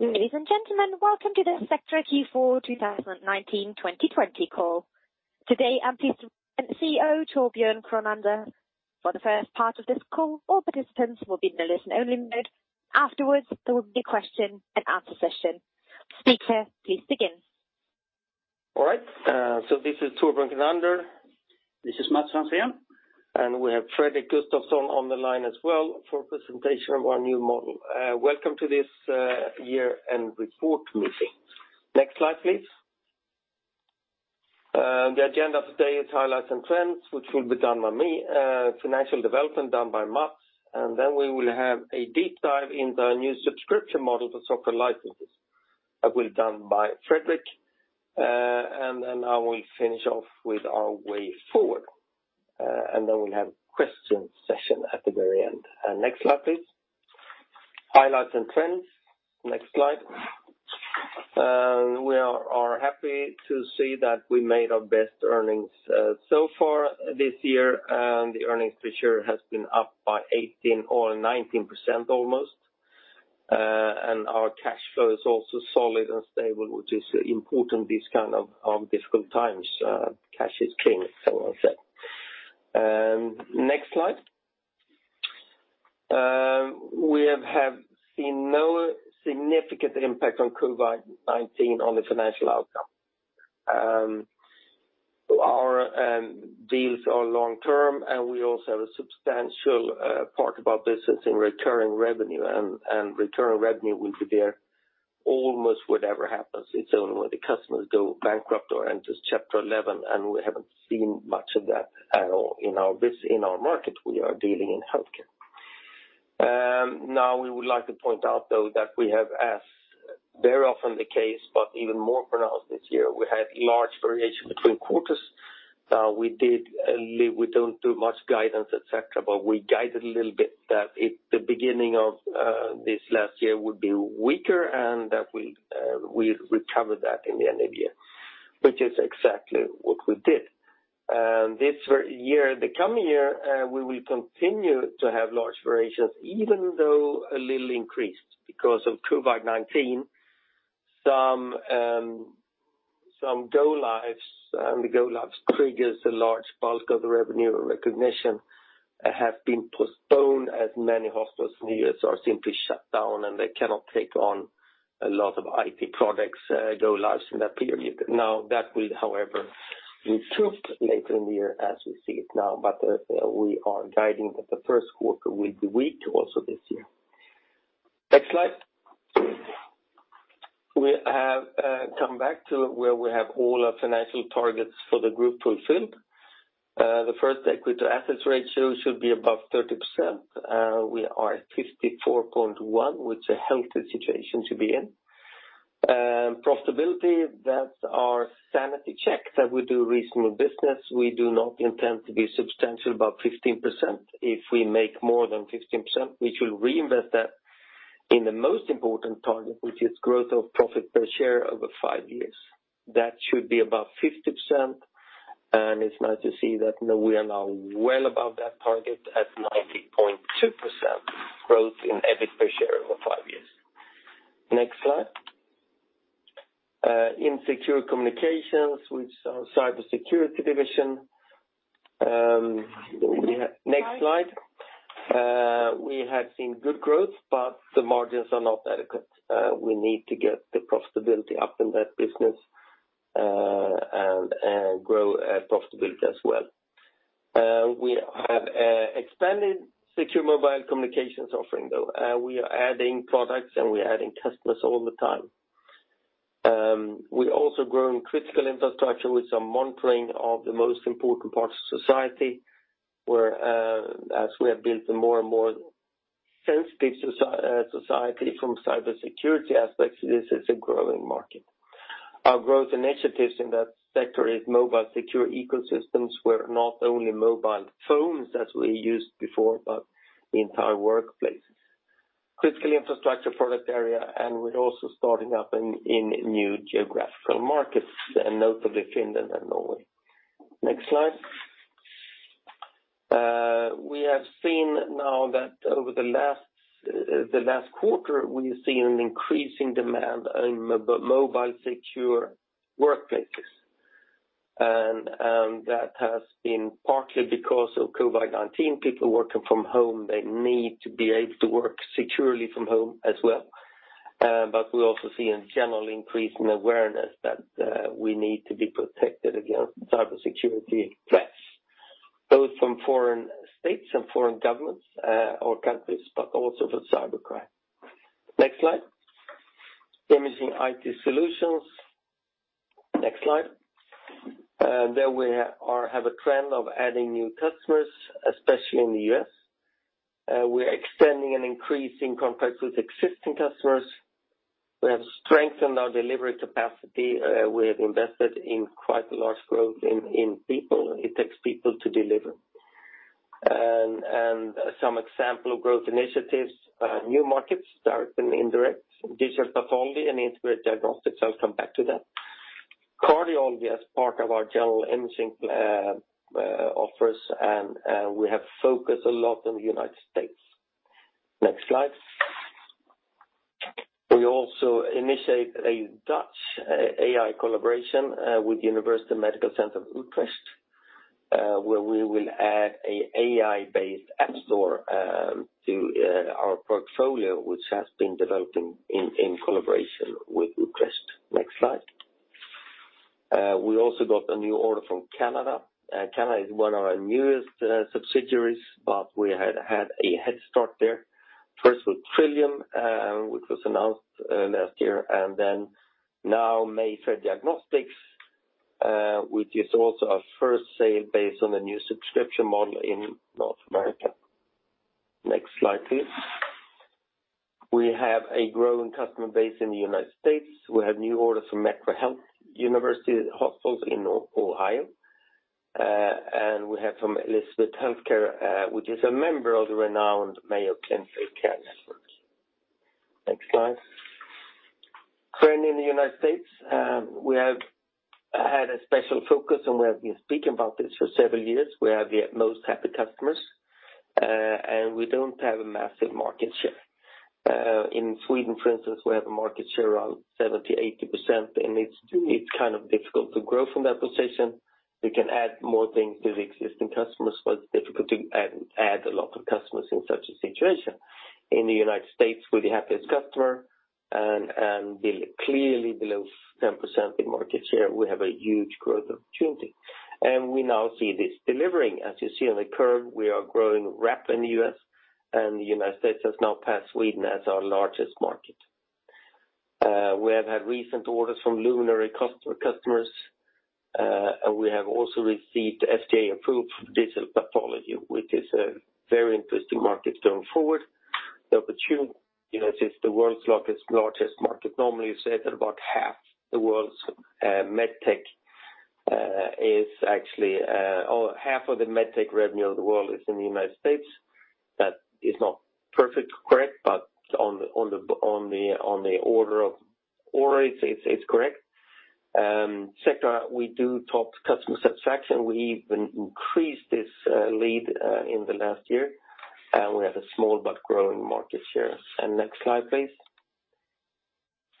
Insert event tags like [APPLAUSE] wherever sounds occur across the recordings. Ladies and gentlemen, welcome to the Sectra Q4 2019-2020 call. Today I'm pleased to present CEO Torbjörn Kronander. For the first part of this call, all participants will be in a listen-only mode. Afterwards, there will be a question-and-answer session. Speaker, please begin. All right, so this is Torbjörn Kronander. This is Mats Franzén. And we have Fredrik Gustavsson on the line as well for presentation of our new model. Welcome to this year-end report meeting. Next slide, please. The agenda today is highlights and trends, which will be done by me, financial development done by Mats, and then we will have a deep dive into our new subscription model for software licenses, that will be done by Fredrik. And then I will finish off with our way forward, and then we'll have a question session at the very end. Next slide, please. Highlights and trends. Next slide. We are happy to see that we made our best earnings so far this year. The earnings this year have been up by 18% or 19% almost. And our cash flow is also solid and stable, which is important these kinds of difficult times. Cash is king, as someone said. Next slide. We have seen no significant impact from COVID-19 on the financial outcome. Our deals are long-term, and we also have a substantial part of our business in recurring revenue, and recurring revenue will be there almost whatever happens. It's only when the customers go bankrupt or enter Chapter 11, and we haven't seen much of that at all in our market. We are dealing in healthcare. Now, we would like to point out, though, that we have, as very often the case, but even more pronounced this year, we had large variation between quarters. We don't do much guidance, etc., but we guided a little bit that the beginning of this last year would be weaker and that we recover that in the end of the year, which is exactly what we did. This year, the coming year, we will continue to have large variations, even though a little increased because of COVID-19. Some go-lives and the go-lives triggers a large bulk of the revenue recognition have been postponed as many hospitals in the U.S. are simply shut down and they cannot take on a lot of IT products, go-lives in that period. Now, that will, however, be true later in the year as we see it now. But we are guiding that the first quarter will be weak also this year. Next slide. We have come back to where we have all our financial targets for the group fulfilled. The first equity-to-assets ratio should be above 30%. We are at 54.1%, which is a healthy situation to be in. Profitability, that's our sanity check that we do reasonable business. We do not intend to be substantial above 15%. If we make more than 15%, we should reinvest that in the most important target, which is growth of profit per share over five years. That should be above 50%. And it's nice to see that we are now well above that target at 90.2% growth in EBIT per share over five years. Next slide. Secure Communications, which is our cybersecurity division. Next slide. We have seen good growth, but the margins are not adequate. We need to get the profitability up in that business and grow profitability as well. We have expanded secure mobile communications offering, though. We are adding products and we are adding customers all the time. We also grow in critical infrastructure, which are monitoring of the most important parts of society, whereas we have built a more and more sensitive society from cybersecurity aspects. This is a growing market. Our growth initiatives in that sector is Mobile Secure Ecosystems, where not only mobile phones that we used before, but the entire workplace. Critical Infrastructure product area, and we're also starting up in new geographical markets, and notably Finland and Norway. Next slide. We have seen now that over the last quarter, we have seen an increasing demand on mobile secure workplaces. And that has been partly because of COVID-19. People working from home, they need to be able to work securely from home as well. But we also see a general increase in awareness that we need to be protected against cybersecurity threats, both from foreign states and foreign governments or countries, but also for cybercrime. Next slide. Imaging IT Solutions. Next slide. There we have a trend of adding new customers, especially in the U.S. We are extending and increasing contracts with existing customers. We have strengthened our delivery capacity. We have invested in quite a large growth in people. It takes people to deliver. And some example of growth initiatives, new markets, direct and indirect, digital pathology, and integrated diagnostics. I'll come back to that. Cardiology, as part of our general imaging offers, and we have focused a lot on the United States. Next slide. We also initiated a Dutch AI collaboration with the University Medical Center Utrecht, where we will add an AI-based app store to our portfolio, which has been developing in collaboration with Utrecht. Next slide. We also got a new order from Canada. Canada is one of our newest subsidiaries, but we had a head start there. First with Trillium, which was announced last year, and then now Mayfair Diagnostics, which is also our first sale based on the new subscription model in North America. Next slide, please. We have a growing customer base in the United States. We have new orders from University Hospitals in Ohio, and we have from St. Elizabeth Healthcare, which is a member of the renowned Mayo Clinic Care Network. Next slide. Trend in the United States. We have had a special focus, and we have been speaking about this for several years. We have the most happy customers, and we don't have a massive market share. In Sweden, for instance, we have a market share around 70%-80%, and it's kind of difficult to grow from that position. We can add more things to the existing customers, but it's difficult to add a lot of customers in such a situation. In the United States, we're the happiest customer, and clearly below 10% in market share, we have a huge growth opportunity, and we now see this delivering. As you see on the curve, we are growing rapidly in the U.S., and the United States has now passed Sweden as our largest market. We have had recent orders from luminary customers, and we have also received FDA approval for digital pathology, which is a very interesting market going forward. The opportunity is the world's largest market. Normally, you say that about half the world's medtech is actually half of the medtech revenue of the world is in the United States. That is not perfectly correct, but on the order of it's correct. Sectra, we do top customer satisfaction. We even increased this lead in the last year, and we have a small but growing market share. And next slide, please.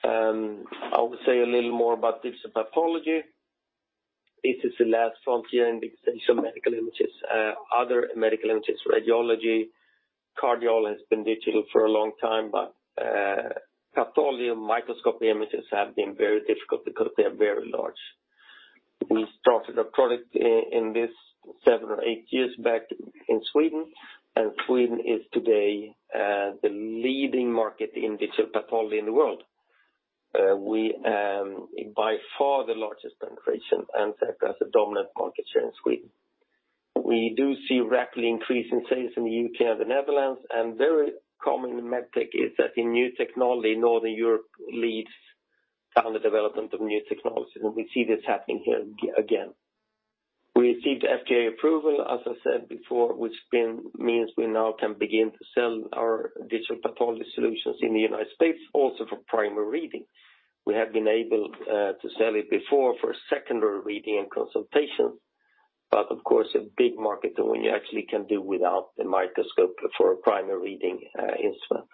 I will say a little more about digital pathology. This is the last frontier in digital medical images. Other medical images, radiology, cardiology has been digital for a long time, but pathology and microscopy images have been very difficult because they are very large. We started a product in this seven or eight years back in Sweden, and Sweden is today the leading market in digital pathology in the world. We are by far the largest penetration, and Sectra has a dominant market share in Sweden. We do see rapidly increasing sales in the U.K. and the Netherlands. Very common in medtech is that in new technology, Northern Europe leads down the development of new technologies, and we see this happening here again. We received FDA approval, as I said before, which means we now can begin to sell our digital pathology solutions in the United States, also for primary reading. We have been able to sell it before for secondary reading and consultations, but of course, a big market when you actually can do without the microscope for a primary reading instrument.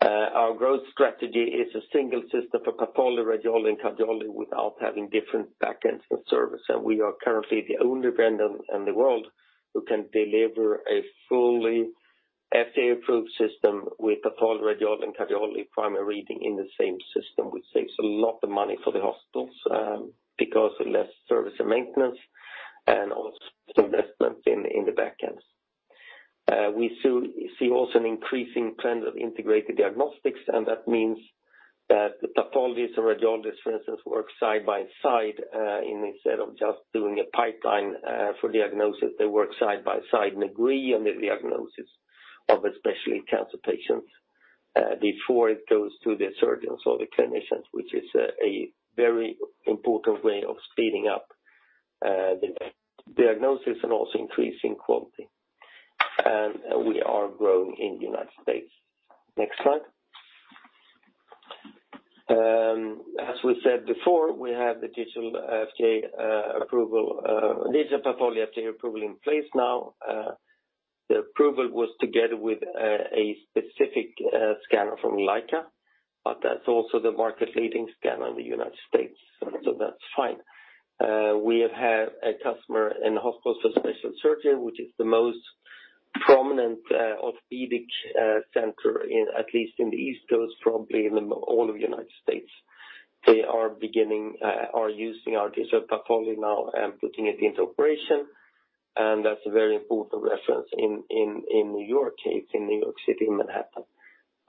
Our growth strategy is a single system for pathology, radiology, and cardiology without having different backends and service, and we are currently the only vendor in the world who can deliver a fully FDA-approved system with pathology, radiology, and cardiology primary reading in the same system, which saves a lot of money for the hospitals because of less service and maintenance and also investment in the backends. We see also an increasing trend of integrated diagnostics, and that means that the pathologists and radiologists, for instance, work side by side instead of just doing a pipeline for diagnosis. They work side by side and agree on the diagnosis of especially cancer patients before it goes to the surgeons or the clinicians, which is a very important way of speeding up the diagnosis and also increasing quality, and we are growing in the United States. Next slide. As we said before, we have the digital FDA approval, digital pathology FDA approval in place now. The approval was together with a specific scanner from Leica, but that's also the market-leading scanner in the United States. So that's fine. We have had a customer in Hospital for Special Surgery, which is the most prominent orthopedic center, at least in the East Coast, probably in all of the United States. They are beginning, are using our digital pathology now and putting it into operation, and that's a very important reference in New York. It's in New York City, Manhattan.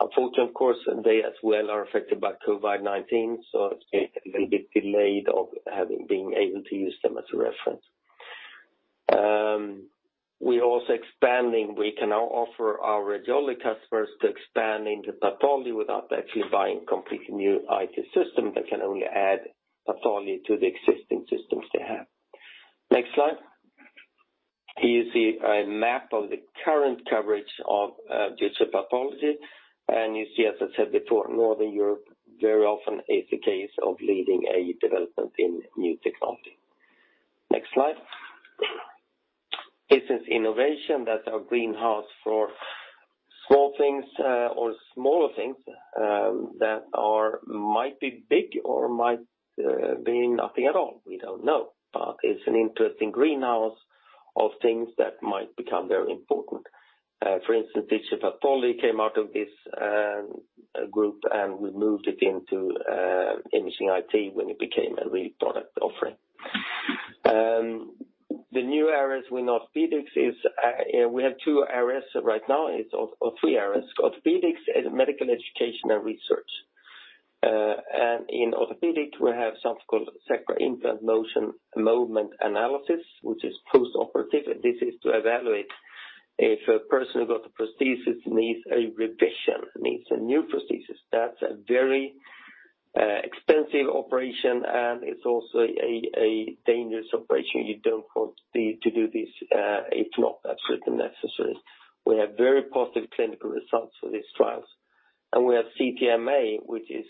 Unfortunately, of course, they as well are affected by COVID-19, so it's been a little bit delayed of being able to use them as a reference. We are also expanding. We can now offer our radiology customers to expand into pathology without actually buying completely new IT systems. They can only add pathology to the existing systems they have. Next slide. Here you see a map of the current coverage of digital pathology, and you see, as I said before, Northern Europe very often is the case of leading a development in new technology. Next slide. Business Innovation, that's our greenhouse for small things or smaller things that might be big or might be nothing at all. We don't know, but it's an interesting greenhouse of things that might become very important. For instance, digital pathology came out of this group, and we moved it into imaging IT when it became a real product offering. The new areas within orthopedics is we have two areas right now, or three areas. Orthopedics is medical education and research, and in orthopedics, we have something called Sectra Implant Movement Analysis, which is post-operative. This is to evaluate if a person who got a prosthesis needs a revision, needs a new prosthesis. That's a very expensive operation, and it's also a dangerous operation. You don't want to do this if not absolutely necessary. We have very positive clinical results for these trials, and we have CTMA, which is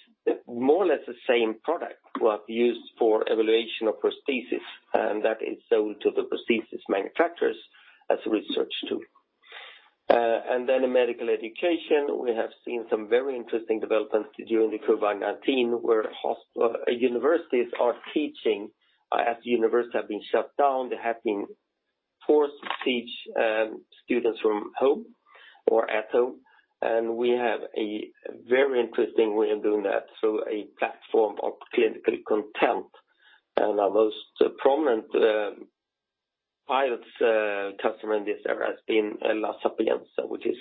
more or less the same product we have used for evaluation of prosthesis, and that is sold to the prosthesis manufacturers as a research tool. And then in medical education, we have seen some very interesting developments during the COVID-19, where universities are teaching. As universities have been shut down, they have been forced to teach students from home or at home. And we have a very interesting way of doing that through a platform of clinical content. And our most prominent pilot customer in this area has been La Sapienza, which is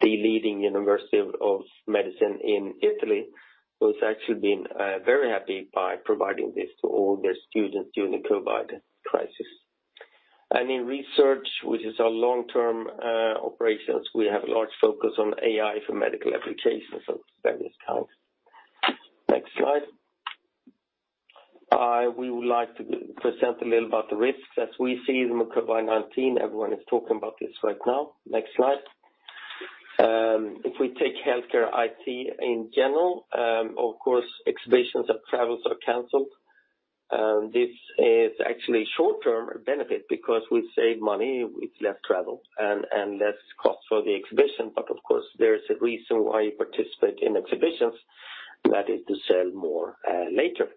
the leading university of medicine in Italy, who has actually been very happy by providing this to all their students during the COVID crisis. And in research, which is our long-term operations, we have a large focus on AI for medical applications of various kinds. Next slide. We would like to present a little about the risks as we see them in COVID-19. Everyone is talking about this right now. Next slide. If we take healthcare IT in general, of course, exhibitions or travels are canceled. This is actually short-term benefit because we save money with less travel and less cost for the exhibition, but of course, there is a reason why you participate in exhibitions, and that is to sell more later,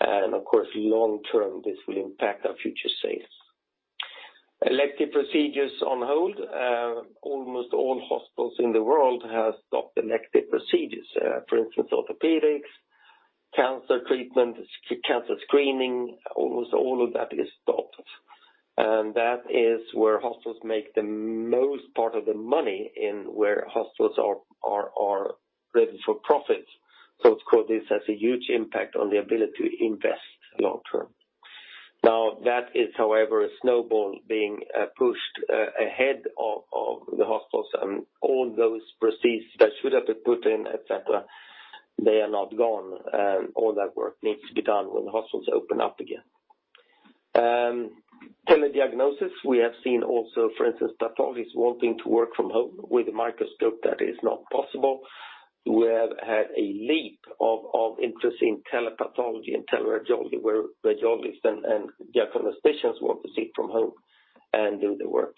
and of course, long-term, this will impact our future sales. Elective procedures on hold. Almost all hospitals in the world have stopped elective procedures. For instance, orthopedics, cancer treatment, cancer screening, almost all of that is stopped, and that is where hospitals make the most part of the money and where hospitals are ready for profit, so of course, this has a huge impact on the ability to invest long-term. Now, that is, however, a snowball being pushed ahead of the hospitals, and all those procedures that should have been put in, etc., they are not gone. And all that work needs to be done when the hospitals open up again. Telediagnosis, we have seen also, for instance, pathologists wanting to work from home with a microscope that is not possible. We have had a leap of interest in telepathology and teleradiology, where radiologists and diagnosticians want to sit from home and do the work.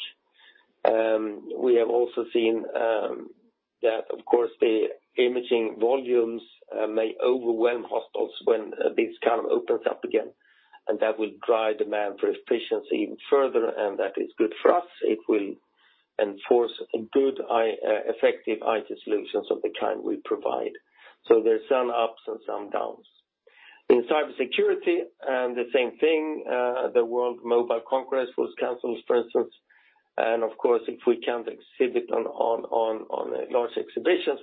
We have also seen that, of course, the imaging volumes may overwhelm hospitals when this kind of opens up again, and that will drive demand for efficiency further, and that is good for us. It will enforce good, effective IT solutions of the kind we provide. So there are some ups and some downs. In cybersecurity, the same thing. The Mobile World Congress was canceled, for instance. And of course, if we can't exhibit on large exhibitions,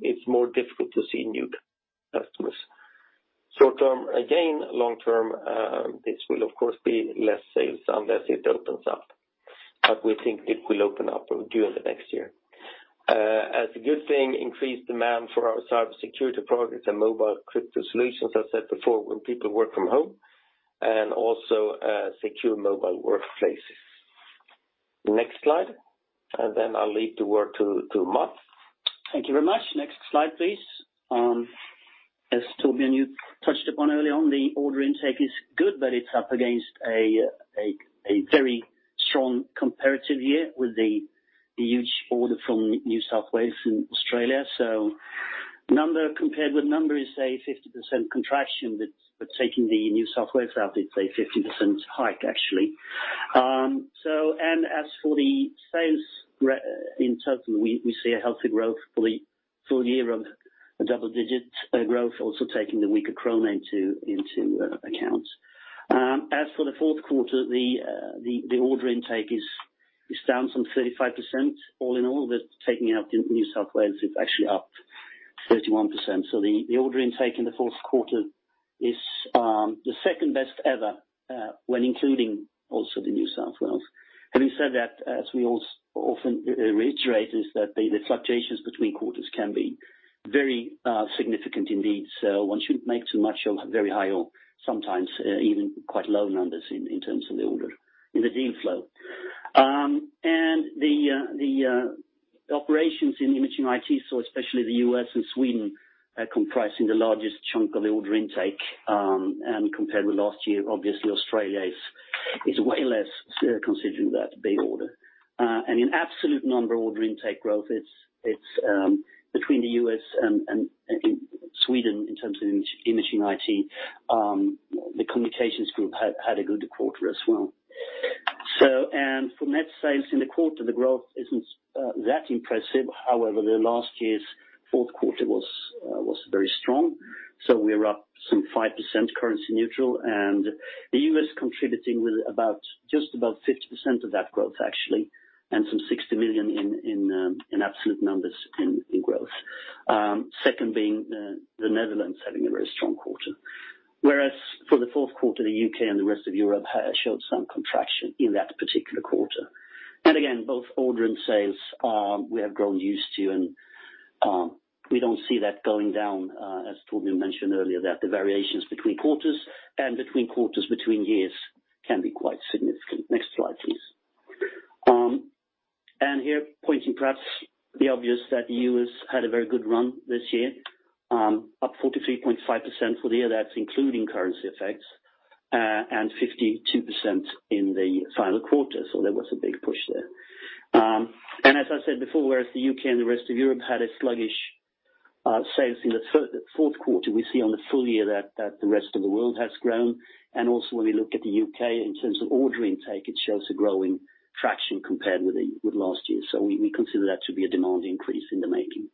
it's more difficult to see new customers. Short-term, again, long-term, this will, of course, be less sales unless it opens up. But we think it will open up during the next year. As a good thing, increased demand for our cybersecurity products and mobile crypto solutions, as I said before, when people work from home, and also secure mobile workplaces. Next slide, and then I'll leave the word to Mats. Thank you very much. Next slide, please. As Torbjörn you touched upon earlier on, the order intake is good, but it's up against a very strong comparative year with the huge order from New South Wales and Australia. So number compared with number is a 50% contraction, but taking the New South Wales out, it's a 50% hike, actually. And as for the sales in total, we see a healthy growth for the full year of a double-digit growth, also taking the weaker corona into account. As for the fourth quarter, the order intake is down some 35%. All in all, taking out New South Wales, it's actually up 31%. So the order intake in the fourth quarter is the second best ever when including also the New South Wales. Having said that, as we often reiterate, is that the fluctuations between quarters can be very significant indeed. So one shouldn't make too much or very high or sometimes even quite low numbers in terms of the order in the deal flow. And the operations in imaging IT, so especially the U.S. and Sweden, are comprising the largest chunk of the order intake. And compared with last year, obviously, Australia is way less considering that big order. And in absolute number, order intake growth, it's between the U.S. and Sweden in terms of imaging IT. The communications group had a good quarter as well. And for net sales in the quarter, the growth isn't that impressive. However, the last year's fourth quarter was very strong. So we're up some 5% currency neutral. And the U.S. contributing with just about 50% of that growth, actually, and some 60 million in absolute numbers in growth. Second being the Netherlands having a very strong quarter. Whereas for the fourth quarter, the U.K. and the rest of Europe showed some contraction in that particular quarter, and again, both order and sales, we have grown used to, and we don't see that going down, as Torbjörn mentioned earlier, that the variations between quarters and between quarters between years can be quite significant. Next slide, please, and here pointing perhaps the obvious that the U.S. had a very good run this year, up 43.5% for the year. That's including currency effects and 52% in the final quarter, so there was a big push there, and as I said before, whereas the U.K. and the rest of Europe had a sluggish sales in the fourth quarter, we see on the full year that the rest of the world has grown. And also when we look at the U.K. in terms of order intake, it shows a growing traction compared with last year. So we consider that to be a demand increase in the making.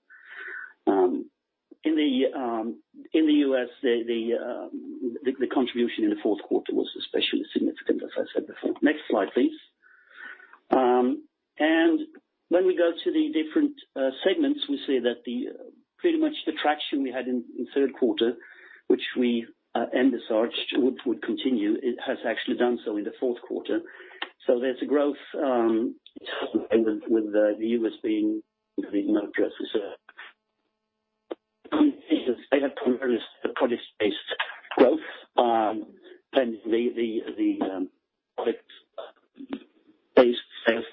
In the U.S., the contribution in the fourth quarter was especially significant, as I said before. Next slide, please. And when we go to the different segments, we see that pretty much the traction we had in third quarter, which we envisaged would continue, it has actually done so in the fourth quarter. So there's a growth with the U.S. being the main market. It's a very prolific growth. And the product-based sales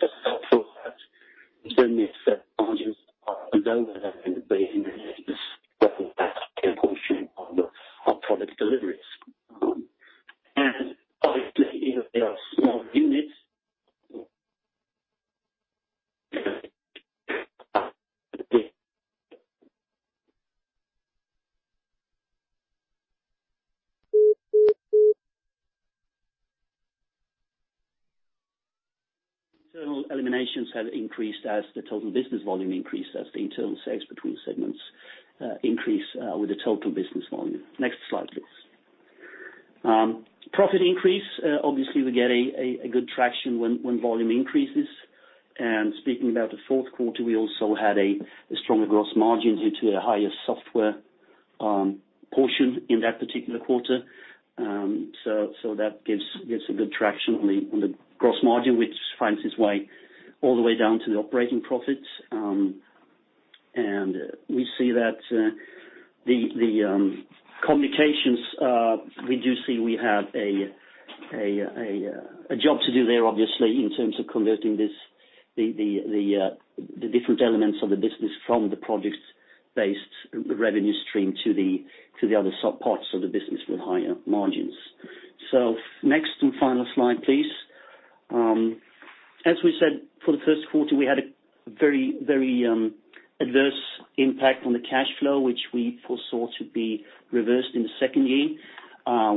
for certain margins are lower, and they're in this portion of product deliveries. And obviously, there are small units. Internal eliminations have increased as the total business volume increased, as the internal sales between segments increase with the total business volume. Next slide, please. Profit increase. Obviously, we get a good traction when volume increases. And speaking about the fourth quarter, we also had a stronger gross margin due to a higher software portion in that particular quarter. So that gives a good traction on the gross margin, which finds its way all the way down to the operating profits. And we see that the communications, we do see we have a job to do there, obviously, in terms of converting the different elements of the business from the project-based revenue stream to the other subparts of the business with higher margins. So next and final slide, please. As we said, for the first quarter, we had a very, very adverse impact on the cash flow, which we foresaw to be reversed in the second year.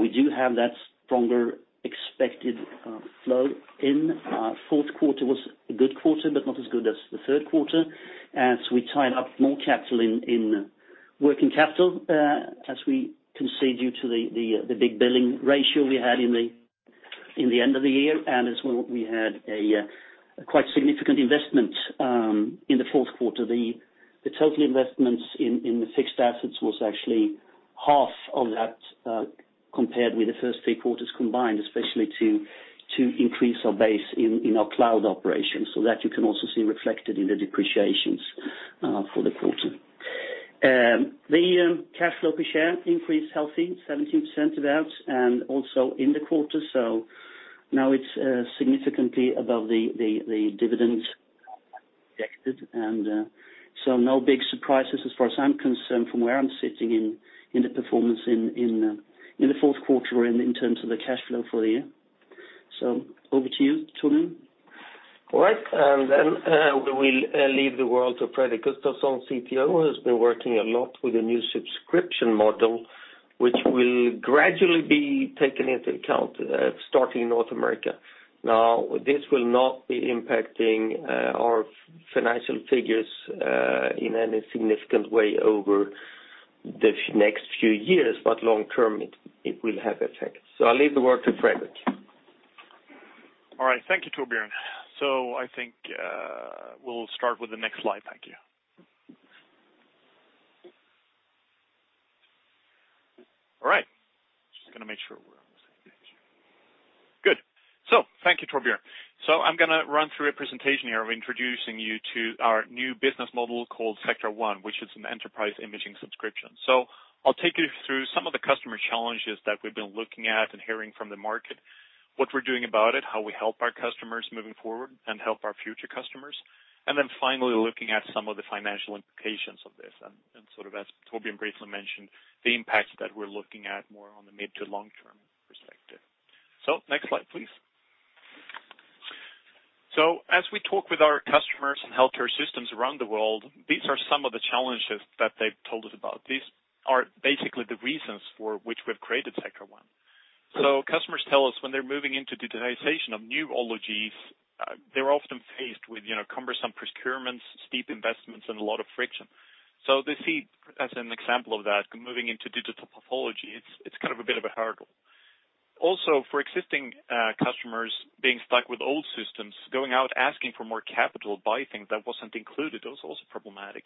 We do have that stronger expected flow in. Fourth quarter was a good quarter, but not as good as the third quarter. As we tied up more capital in working capital, as we can see due to the big billing ratio we had in the end of the year, and as well, we had a quite significant investment in the fourth quarter. The total investments in the fixed assets was actually half of that compared with the first three quarters combined, especially to increase our base in our cloud operations, so that you can also see reflected in the depreciations for the quarter. The cash flow per share increased healthy, 17% about, and also in the quarter, so now it's significantly above the dividends projected, and so no big surprises as far as I'm concerned from where I'm sitting in the performance in the fourth quarter in terms of the cash flow for the year. Over to you, Torbjörn. All right, and then we will leave the word to Fredrik Gustavsson, CTO, who has been working a lot with the new subscription model, which will gradually be taken into account starting in North America. Now, this will not be impacting our financial figures in any significant way over the next few years, but long-term, it will have effect, so I'll leave the word to Fredrik. All right. Thank you, Torbjörn. So I think we'll start with the next slide. Thank you. All right. Just going to make sure we're on the same page. Good. So thank you, Torbjörn. So I'm going to run through a presentation here of introducing you to our new business model called Sectra One, which is an enterprise imaging subscription. So I'll take you through some of the customer challenges that we've been looking at and hearing from the market, what we're doing about it, how we help our customers moving forward and help our future customers. And then finally, looking at some of the financial implications of this. And sort of as Torbjörn briefly mentioned, the impacts that we're looking at more on the mid to long-term perspective. So next slide, please. So as we talk with our customers and healthcare systems around the world, these are some of the challenges that they've told us about. These are basically the reasons for which we've created Sectra One. So customers tell us when they're moving into digitization of new ologies, they're often faced with cumbersome procurements, steep investments, and a lot of friction. So they see, as an example of that, moving into digital pathology, it's kind of a bit of a hurdle. Also, for existing customers being stuck with old systems, going out asking for more capital to buy things that wasn't included, it was also problematic.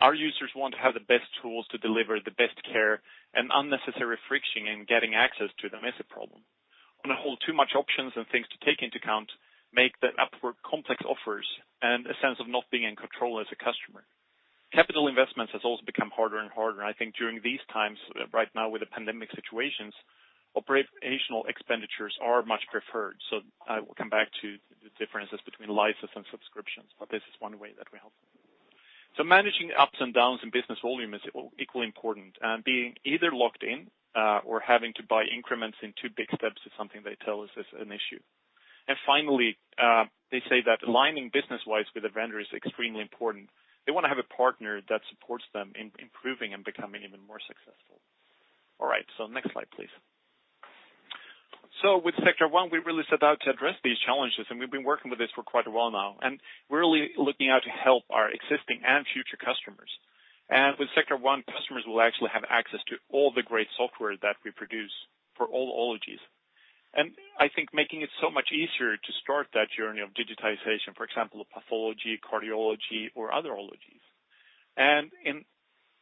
Our users want to have the best tools to deliver the best care, and unnecessary friction in getting access to them is a problem. On the whole, too many options and things to take into account make the purchase complex, offers a sense of not being in control as a customer. Capital investments have also become harder and harder. I think during these times, right now with the pandemic situations, operational expenditures are much preferred, so I will come back to the differences between license and subscriptions, but this is one way that we help, so managing ups and downs in business volume is equally important, and being either locked in or having to buy increments in two big steps is something they tell us is an issue, and finally, they say that aligning business-wise with the vendor is extremely important. They want to have a partner that supports them in improving and becoming even more successful. All right, so next slide, please. So with Sectra One, we really set out to address these challenges, and we've been working with this for quite a while now. And we're really looking out to help our existing and future customers. And with Sectra One, customers will actually have access to all the great software that we produce for all ologies. And I think making it so much easier to start that journey of digitization, for example, pathology, cardiology, or other ologies. And in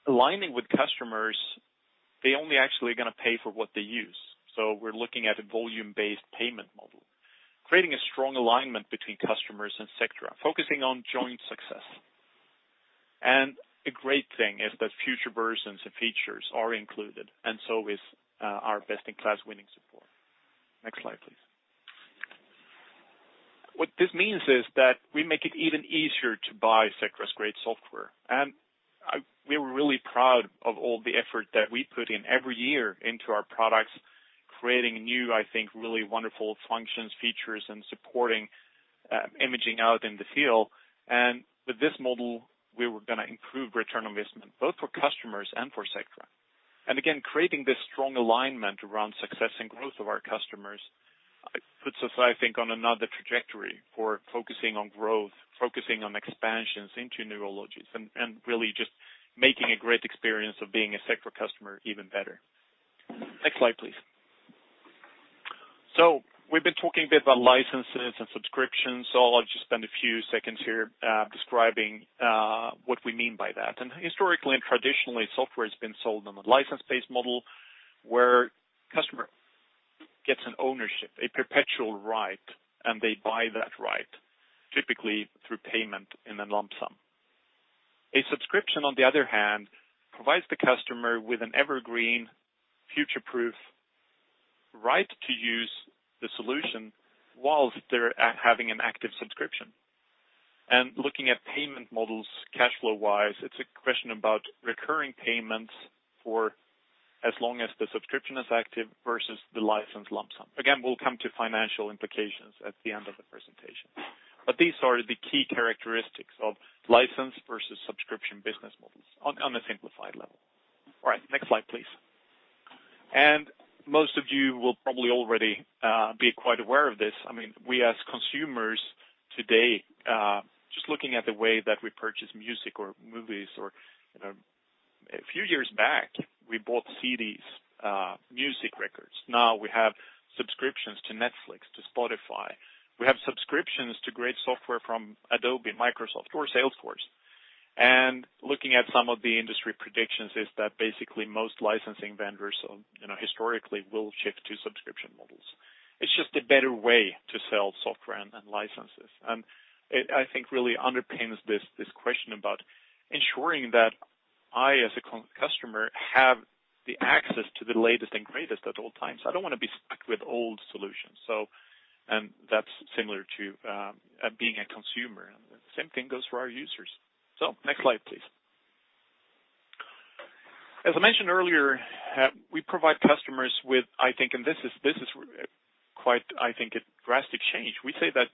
aligning with customers, they only actually are going to pay for what they use. So we're looking at a volume-based payment model, creating a strong alignment between customers and Sectra, focusing on joint success. And a great thing is that future versions and features are included, and so is our best-in-class winning support. Next slide, please. What this means is that we make it even easier to buy Sectra's great software. We're really proud of all the effort that we put in every year into our products, creating new, I think, really wonderful functions, features, and supporting imaging out in the field. With this model, we were going to improve return on investment, both for customers and for Sectra. Again, creating this strong alignment around success and growth of our customers puts us, I think, on another trajectory for focusing on growth, focusing on expansions into new ologies, and really just making a great experience of being a Sectra customer even better. Next slide, please. We've been talking a bit about licenses and subscriptions. I'll just spend a few seconds here describing what we mean by that. Historically and traditionally, software has been sold on a license-based model where customer gets an ownership, a perpetual right, and they buy that right, typically through payment in a lump sum. A subscription, on the other hand, provides the customer with an evergreen, future-proof right to use the solution whilst they're having an active subscription. Looking at payment models, cash flow-wise, it's a question about recurring payments for as long as the subscription is active versus the license lump sum. Again, we'll come to financial implications at the end of the presentation. These are the key characteristics of license versus subscription business models on a simplified level. All right. Next slide, please. Most of you will probably already be quite aware of this. I mean, we as consumers today, just looking at the way that we purchase music or movies or a few years back, we bought CDs, music records. Now we have subscriptions to Netflix, to Spotify. We have subscriptions to great software from Adobe, Microsoft, or Salesforce. And looking at some of the industry predictions is that basically most licensing vendors historically will shift to subscription models. It's just a better way to sell software and licenses. And I think really underpins this question about ensuring that I as a customer have the access to the latest and greatest at all times. I don't want to be stuck with old solutions. And that's similar to being a consumer. And the same thing goes for our users. So next slide, please. As I mentioned earlier, we provide customers with, I think, and this is quite, I think, a drastic change. We say that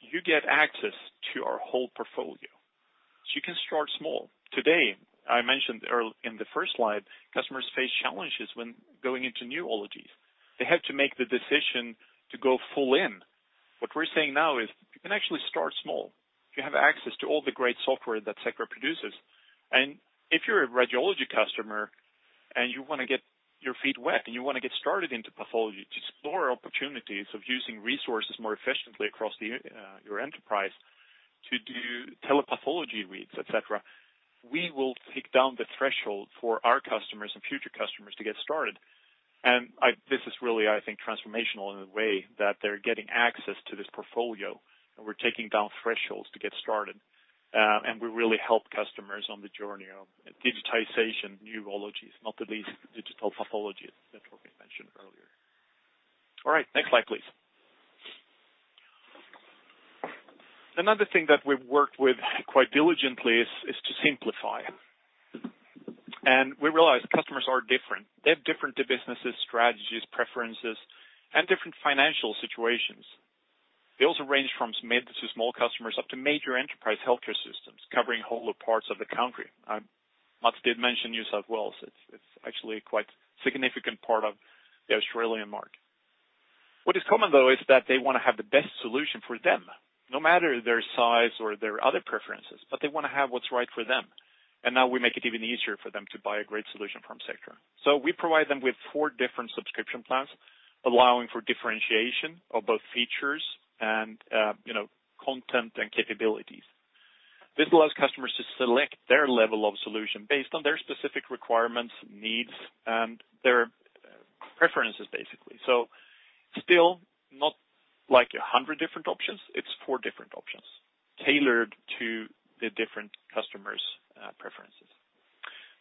you get access to our whole portfolio. So you can start small. Today, I mentioned in the first slide, customers face challenges when going into new ologies. They have to make the decision to go full in. What we're saying now is you can actually start small. You have access to all the great software that Sectra produces. And if you're a radiology customer and you want to get your feet wet and you want to get started into pathology, to explore opportunities of using resources more efficiently across your enterprise to do telepathology reads, etc., we will take down the threshold for our customers and future customers to get started. And this is really, I think, transformational in the way that they're getting access to this portfolio. And we're taking down thresholds to get started. And we really help customers on the journey of digitization, new ologies, not the least digital pathology that we mentioned earlier. All right. Next slide, please. Another thing that we've worked with quite diligently is to simplify. And we realize customers are different. They have different businesses, strategies, preferences, and different financial situations. They also range from mid to small customers up to major enterprise healthcare systems covering whole parts of the country. Mats did mention New South Wales. It's actually quite a significant part of the Australian market. What is common, though, is that they want to have the best solution for them, no matter their size or their other preferences, but they want to have what's right for them. And now we make it even easier for them to buy a great solution from Sectra. So we provide them with four different subscription plans, allowing for differentiation of both features and content and capabilities. This allows customers to select their level of solution based on their specific requirements, needs, and their preferences, basically. So still not like 100 different options, it's four different options tailored to the different customers' preferences.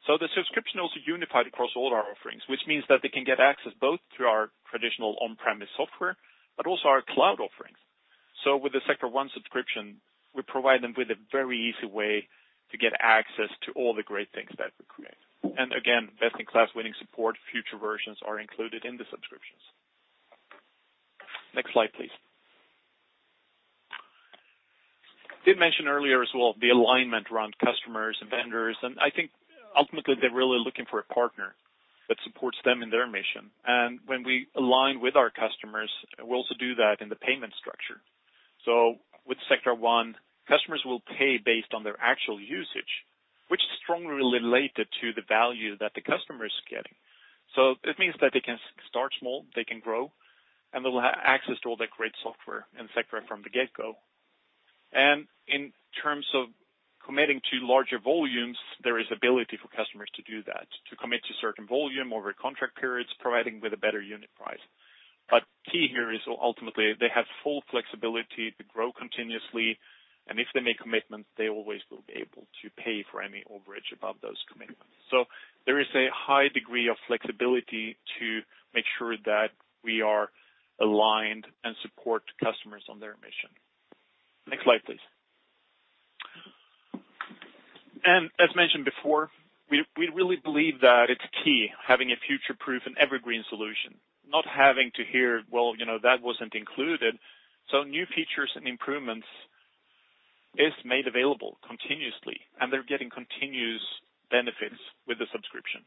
So the subscription is also unified across all our offerings, which means that they can get access both to our traditional on-premise software, but also our cloud offerings. So with the Sectra One subscription, we provide them with a very easy way to get access to all the great things that we create. And again, best-in-class winning support, future versions are included in the subscriptions. Next slide, please. Did mention earlier as well the alignment around customers and vendors. And I think ultimately they're really looking for a partner that supports them in their mission. And when we align with our customers, we also do that in the payment structure. So with Sectra One, customers will pay based on their actual usage, which is strongly related to the value that the customer is getting. So it means that they can start small, they can grow, and they'll have access to all that great software in Sectra from the get-go. And in terms of committing to larger volumes, there is ability for customers to do that, to commit to certain volume over contract periods, providing with a better unit price. But key here is ultimately they have full flexibility to grow continuously. And if they make commitments, they always will be able to pay for any overage above those commitments. So there is a high degree of flexibility to make sure that we are aligned and support customers on their mission. Next slide, please. As mentioned before, we really believe that it's key having a future-proof and evergreen solution, not having to hear, "Well, that wasn't included." New features and improvements are made available continuously, and they're getting continuous benefits with the subscription,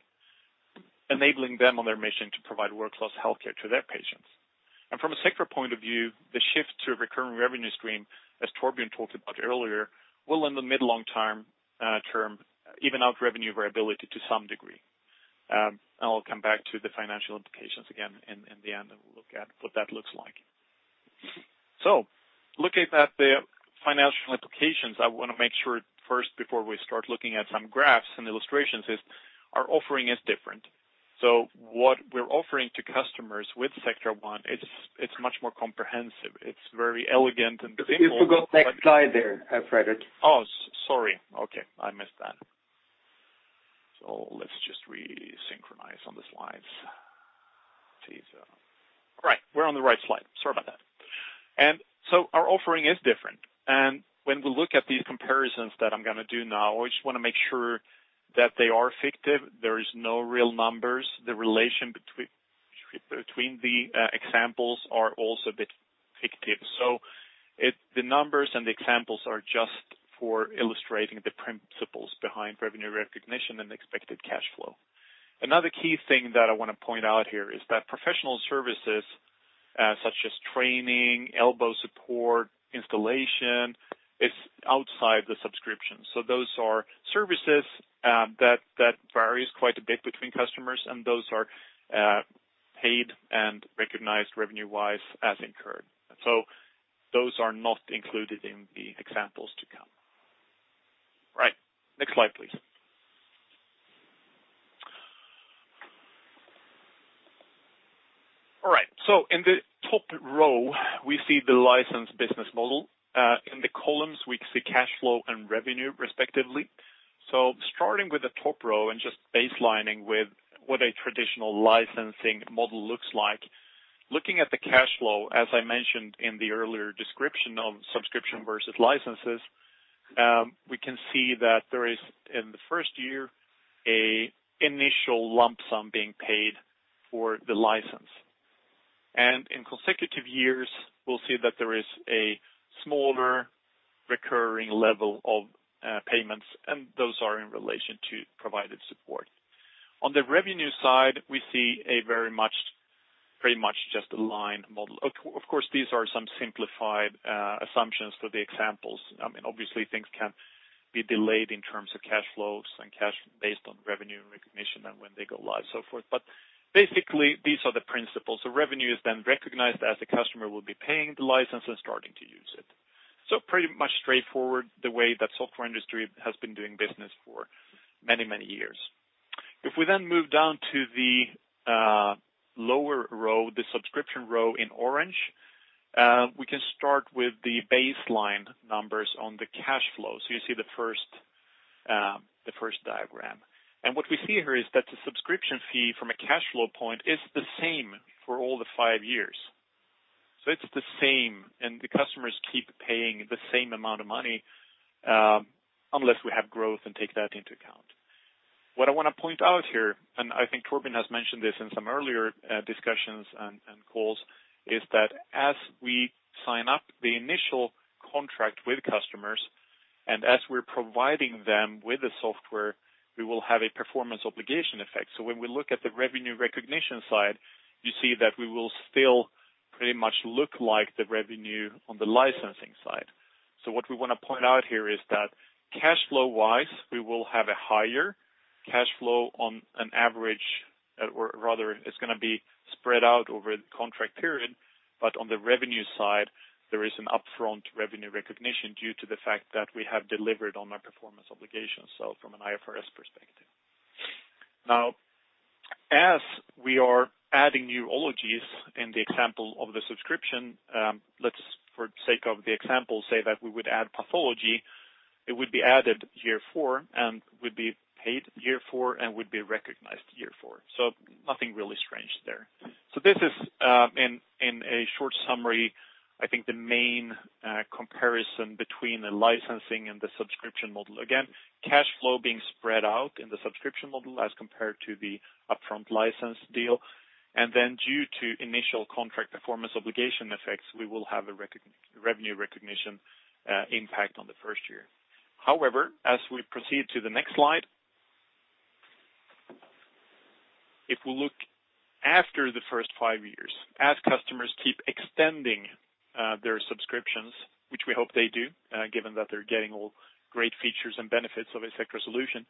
enabling them on their mission to provide world-class healthcare to their patients. From a Sectra point of view, the shift to a recurring revenue stream, as Torbjörn talked about earlier, will, in the mid-long-term, even out revenue variability to some degree. I'll come back to the financial implications again in the end, and we'll look at what that looks like. Looking at the financial implications, I want to make sure first, before we start looking at some graphs and illustrations, is our offering is different. What we're offering to customers with Sectra One, it's much more comprehensive. It's very elegant and simple. You forgot the next slide there, Fredrik. Oh, sorry. Okay, I missed that, so let's just resynchronize on the slides. All right, we're on the right slide. Sorry about that, and so our offering is different, and when we look at these comparisons that I'm going to do now, I just want to make sure that they are fictive. There are no real numbers. The relation between the examples are also a bit fictive, so the numbers and the examples are just for illustrating the principles behind revenue recognition and expected cash flow. Another key thing that I want to point out here is that professional services, such as training, elbow support, installation, are outside the subscription, so those are services that vary quite a bit between customers, and those are paid and recognized revenue-wise as incurred, so those are not included in the examples to come. All right. Next slide, please. All right. In the top row, we see the license business model. In the columns, we see cash flow and revenue, respectively. Starting with the top row and just baselining with what a traditional licensing model looks like, looking at the cash flow, as I mentioned in the earlier description of subscription versus licenses, we can see that there is, in the first year, an initial lump sum being paid for the license. In consecutive years, we'll see that there is a smaller recurring level of payments, and those are in relation to provided support. On the revenue side, we see a very much pretty much just a line model. Of course, these are some simplified assumptions for the examples. I mean, obviously, things can be delayed in terms of cash flows and cash based on revenue recognition and when they go live, so forth. But basically, these are the principles. The revenue is then recognized as the customer will be paying the license and starting to use it. So pretty much straightforward, the way that the software industry has been doing business for many, many years. If we then move down to the lower row, the subscription row in orange, we can start with the baseline numbers on the cash flow. So you see the first diagram. And what we see here is that the subscription fee from a cash flow point is the same for all the five years. So it's the same, and the customers keep paying the same amount of money unless we have growth and take that into account. What I want to point out here, and I think Torbjörn has mentioned this in some earlier discussions and calls, is that as we sign up the initial contract with customers and as we're providing them with the software, we will have a performance obligation effect. So when we look at the revenue recognition side, you see that we will still pretty much look like the revenue on the licensing side. So what we want to point out here is that cash flow-wise, we will have a higher cash flow on an average, or rather, it's going to be spread out over the contract period. But on the revenue side, there is an upfront revenue recognition due to the fact that we have delivered on our performance obligations, so from an IFRS perspective. Now, as we are adding new ologies in the example of the subscription, let's, for the sake of the example, say that we would add pathology. It would be added year four and would be paid year four and would be recognized year four. So nothing really strange there. So this is, in a short summary, I think the main comparison between the licensing and the subscription model. Again, cash flow being spread out in the subscription model as compared to the upfront license deal. And then, due to initial contract performance obligation effects, we will have a revenue recognition impact on the first year. However, as we proceed to the next slide, if we look after the first five years, as customers keep extending their subscriptions, which we hope they do, given that they're getting all great features and benefits of a Sectra solution,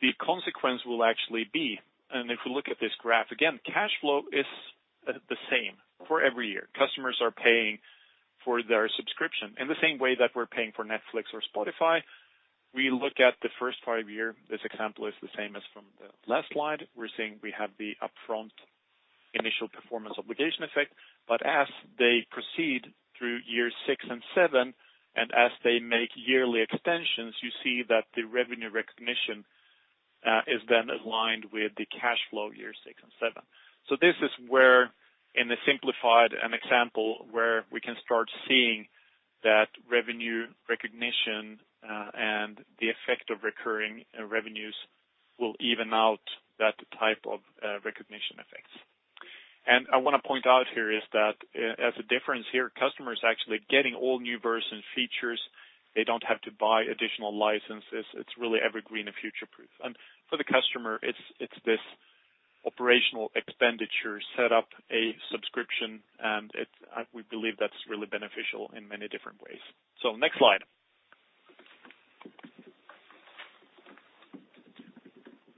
the consequence will actually be, and if we look at this graph again, cash flow is the same for every year. Customers are paying for their subscription in the same way that we're paying for Netflix or Spotify. We look at the first five years. This example is the same as from the last slide. We're seeing we have the upfront initial performance obligation effect. But as they proceed through year six and seven, and as they make yearly extensions, you see that the revenue recognition is then aligned with the cash flow year six and seven. So this is where, in a simplified example, we can start seeing that revenue recognition and the effect of recurring revenues will even out that type of recognition effects. And I want to point out here is that as a difference here, customers are actually getting all new versions and features. They don't have to buy additional licenses. It's really evergreen and future-proof. And for the customer, it's this operational expenditure set up a subscription, and we believe that's really beneficial in many different ways. So next slide.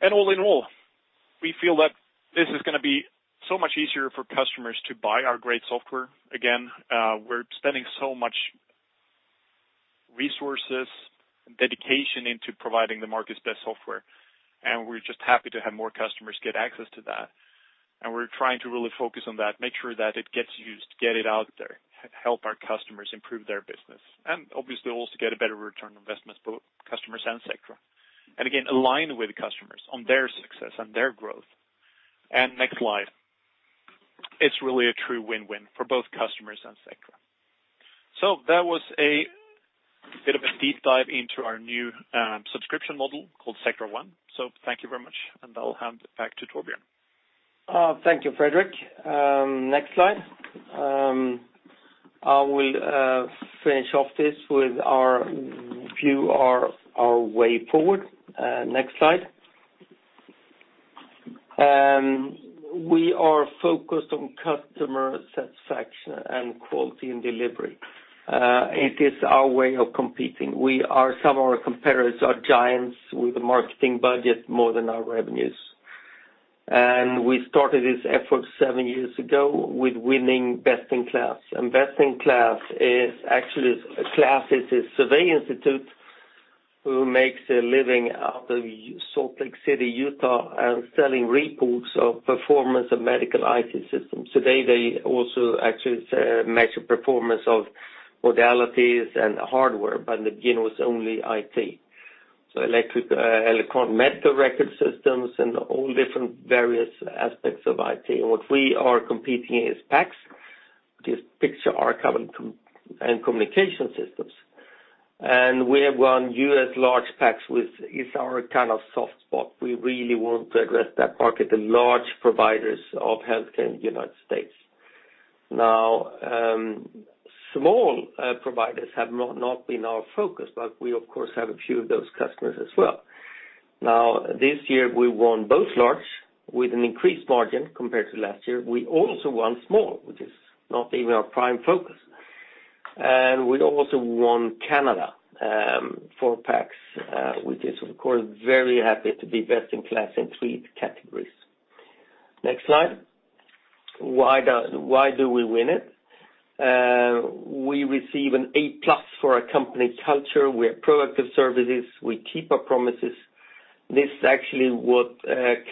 And all in all, we feel that this is going to be so much easier for customers to buy our great software. Again, we're spending so much resources and dedication into providing the market's best software. And we're just happy to have more customers get access to that. And we're trying to really focus on that, make sure that it gets used, get it out there, help our customers improve their business, and obviously also get a better return on investment for customers and Sectra. And again, align with customers on their success and their growth. And next slide. It's really a true win-win for both customers and Sectra. So that was a bit of a deep dive into our new subscription model called Sectra One. So thank you very much. And I'll hand it back to Torbjörn. Thank you, Fredrik. Next slide. I will finish off this with our view, our way forward. Next slide. We are focused on customer satisfaction and quality and delivery. It is our way of competing. Some of our competitors are giants with a marketing budget more than our revenues. We started this effort seven years ago with winning Best in KLAS. Best in KLAS is actually, KLAS, a survey institute who makes a living out of Salt Lake City, Utah, and selling reports of performance of medical IT systems. Today, they also actually measure performance of modalities and hardware, but in the beginning, it was only IT. Electronic medical record systems and all different various aspects of IT. What we are competing against is PACS, which is picture archival and communication systems. We have gone U.S. large PACS is our kind of soft spot. We really want to address that market, the large providers of healthcare in the United States. Now, small providers have not been our focus, but we, of course, have a few of those customers as well. Now, this year, we won both large with an increased margin compared to last year. We also won small, which is not even our prime focus. And we also won Canada for PACS, we're, of course, very happy to be best-in-class in three categories. Next slide. Why do we win it? We receive an A-plus for our company culture. We have proactive services. We keep our promises. This is actually what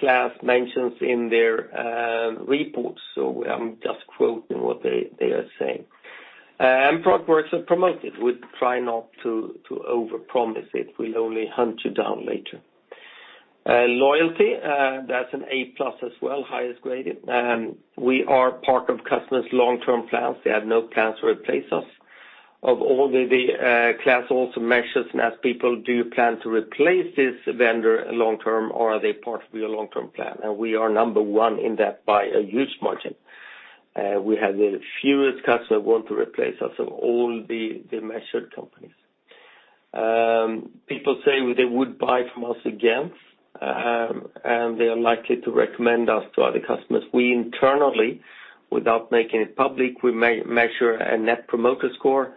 KLAS mentions in their reports. So I'm just quoting what they are saying. And product works as promised. We try not to overpromise it. We'll only hunt you down later. Loyalty, that's an A-plus as well, highest graded. We are part of customers' long-term plans. They have no plans to replace us. Of all, KLAS also measures and asks people, "Do you plan to replace this vendor long-term, or are they part of your long-term plan?" We are number one in that by a huge margin. We have the fewest customers who want to replace us of all the measured companies. People say they would buy from us again, and they are likely to recommend us to other customers. We internally, without making it public, measure a net promoter score.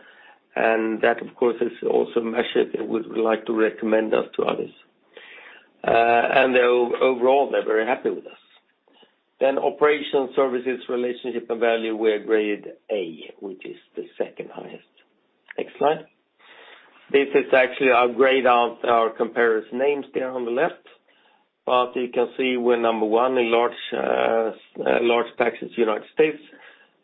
That, of course, is also measured. They would like to recommend us to others. Overall, they're very happy with us. In operations, services, relationship, and value, we are graded A, which is the second highest. Next slide. This is actually our grade versus our comparison names there on the left. But you can see we're number one in large PACS in the United States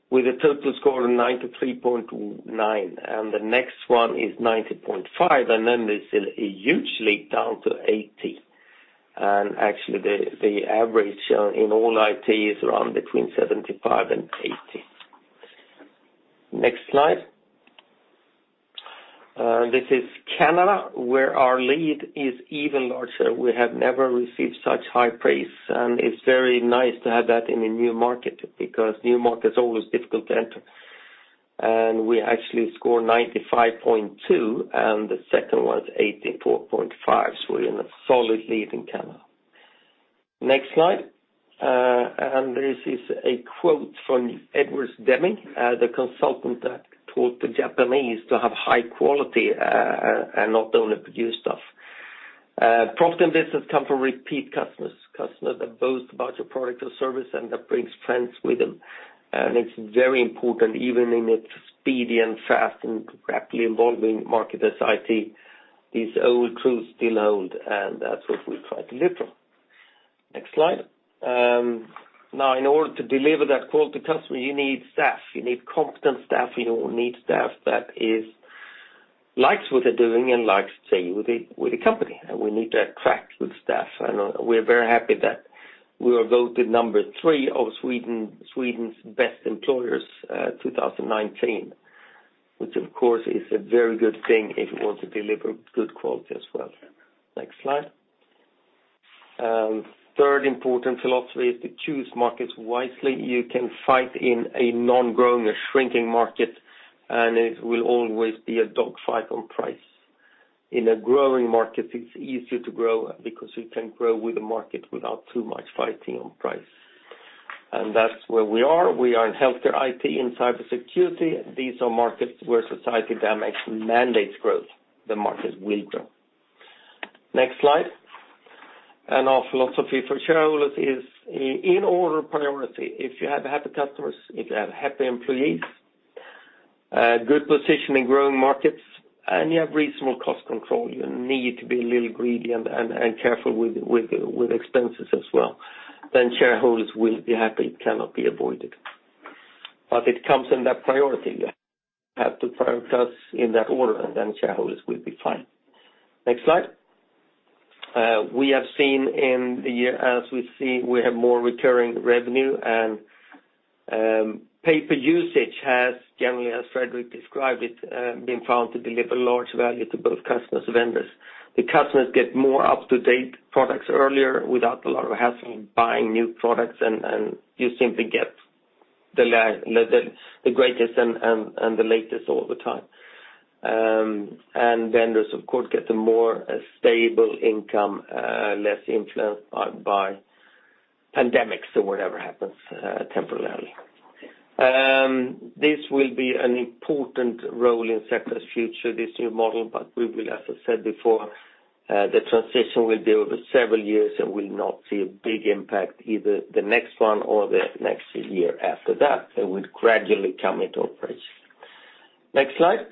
with a total score of 93.9. And the next one is 90.5, and then this is hugely down to 80. And actually, the average in all IT is around between 75 and 80. Next slide. This is Canada, where our lead is even larger. We have never received such high praise, and it's very nice to have that in a new market because new markets are always difficult to enter. And we actually score 95.2, and the second one is 84.5. So we're in a solid lead in Canada. Next slide. And this is a quote from W. Edwards Deming, the consultant that taught the Japanese to have high quality and not only produce stuff. Profit and business come from repeat customers, customers that boast about your product or service and that brings friends with them. It's very important, even in its speedy and fast and rapidly evolving market as IT, these old truths still hold, and that's what we try to live for. Next slide. Now, in order to deliver that quality customer, you need staff. You need competent staff. You need staff that likes what they're doing and likes to stay with the company. We need to attract good staff. We're very happy that we were voted number three of Sweden's Best Employers 2019, which, of course, is a very good thing if you want to deliver good quality as well. Next slide. Third important philosophy is to choose markets wisely. You can fight in a non-growing or shrinking market, and it will always be a dogfight on price. In a growing market, it's easier to grow because you can grow with the market without too much fighting on price. That's where we are. We are in healthcare IT and cybersecurity. These are markets where society demands mandates growth. The market will grow. Next slide. Our philosophy for shareholders is in order of priority, if you have happy customers, if you have happy employees, good position in growing markets, and you have reasonable cost control, you need to be a little greedy and careful with expenses as well. Shareholders will be happy. It cannot be avoided. It comes in that priority. You have to prioritize in that order, and then shareholders will be fine. Next slide. We have seen in the year as we see, we have more recurring revenue, and PACS usage has, generally, as Fredrik described it, been found to deliver large value to both customers and vendors. The customers get more up-to-date products earlier without a lot of hassle in buying new products, and you simply get the greatest and the latest all the time. Vendors, of course, get a more stable income, less influenced by pandemics or whatever happens temporarily. This will be an important role in Sectra's future, this new model, but we will, as I said before, the transition will be over several years and will not see a big impact either the next one or the next year after that. It will gradually come into operation. Next slide.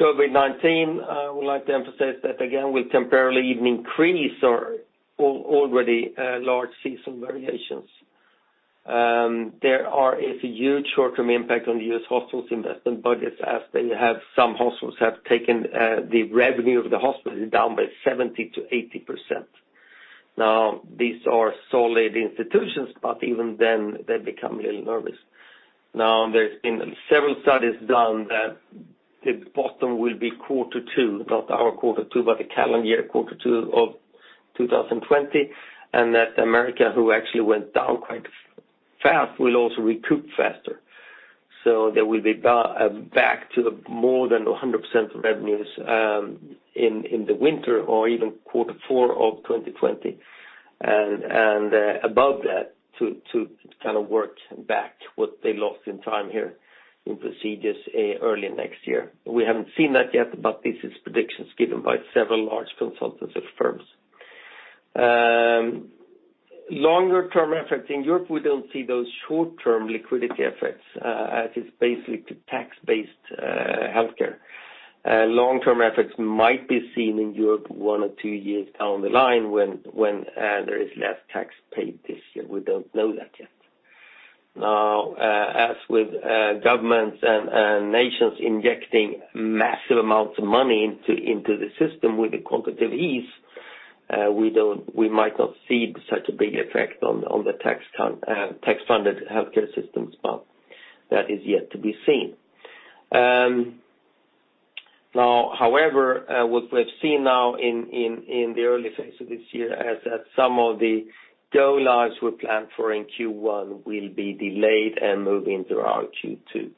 COVID-19, I would like to emphasize that, again, will temporarily even increase already large seasonal variations. There is a huge short-term impact on U.S. hospitals' investment budgets as some hospitals have taken the revenue of the hospital down by 70%-80%. Now, these are solid institutions, but even then, they become a little nervous. Now, there's been several studies done that the bottom will be quarter two, not our quarter two, but the calendar year quarter two of 2020, and that America, who actually went down quite fast, will also recoup faster. So there will be back to more than 100% revenues in the winter or even quarter four of 2020, and above that, to kind of work back what they lost in time here in procedures early next year. We haven't seen that yet, but this is predictions given by several large consultancy firms. Longer-term effects in Europe, we don't see those short-term liquidity effects as it's basically tax-based healthcare. Long-term effects might be seen in Europe one or two years down the line when there is less tax paid this year. We don't know that yet. Now, as with governments and nations injecting massive amounts of money into the system with a quantitative easing, we might not see such a big effect on the tax-funded healthcare systems, but that is yet to be seen. Now, however, what we've seen now in the early phase of this year is that some of the go-lives we planned for in Q1 will be delayed and move into Q2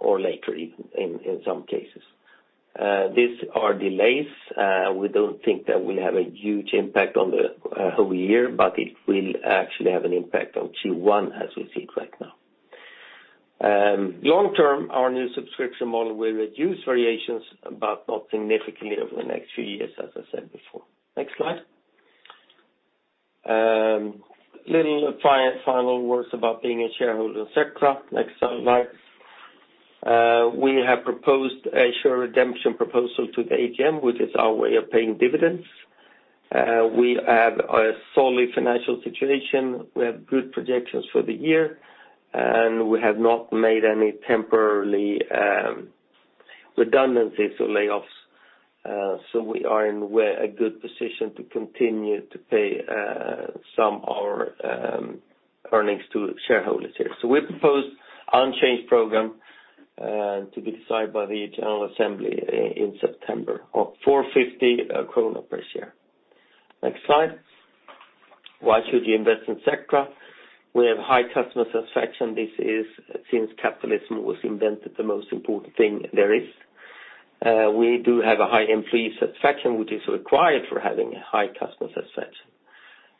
or later in some cases. These are delays. We don't think that will have a huge impact on the whole year, but it will actually have an impact on Q1 as we see it right now. Long-term, our new subscription model will reduce variations, but not significantly over the next few years, as I said before. Next slide. Little final words about being a shareholder in Sectra. Next slide. We have proposed a share redemption proposal to the AGM, which is our way of paying dividends. We have a solid financial situation. We have good projections for the year, and we have not made any temporary redundancies or layoffs. So we are in a good position to continue to pay some of our earnings to Shareholders here. So we proposed an unchanged program to be decided by the General Assembly in September of 4.50 kronor per share. Next slide. Why should you invest in Sectra? We have high customer satisfaction. This is since capitalism was invented, the most important thing there is. We do have a high employee satisfaction, which is required for having high customer satisfaction.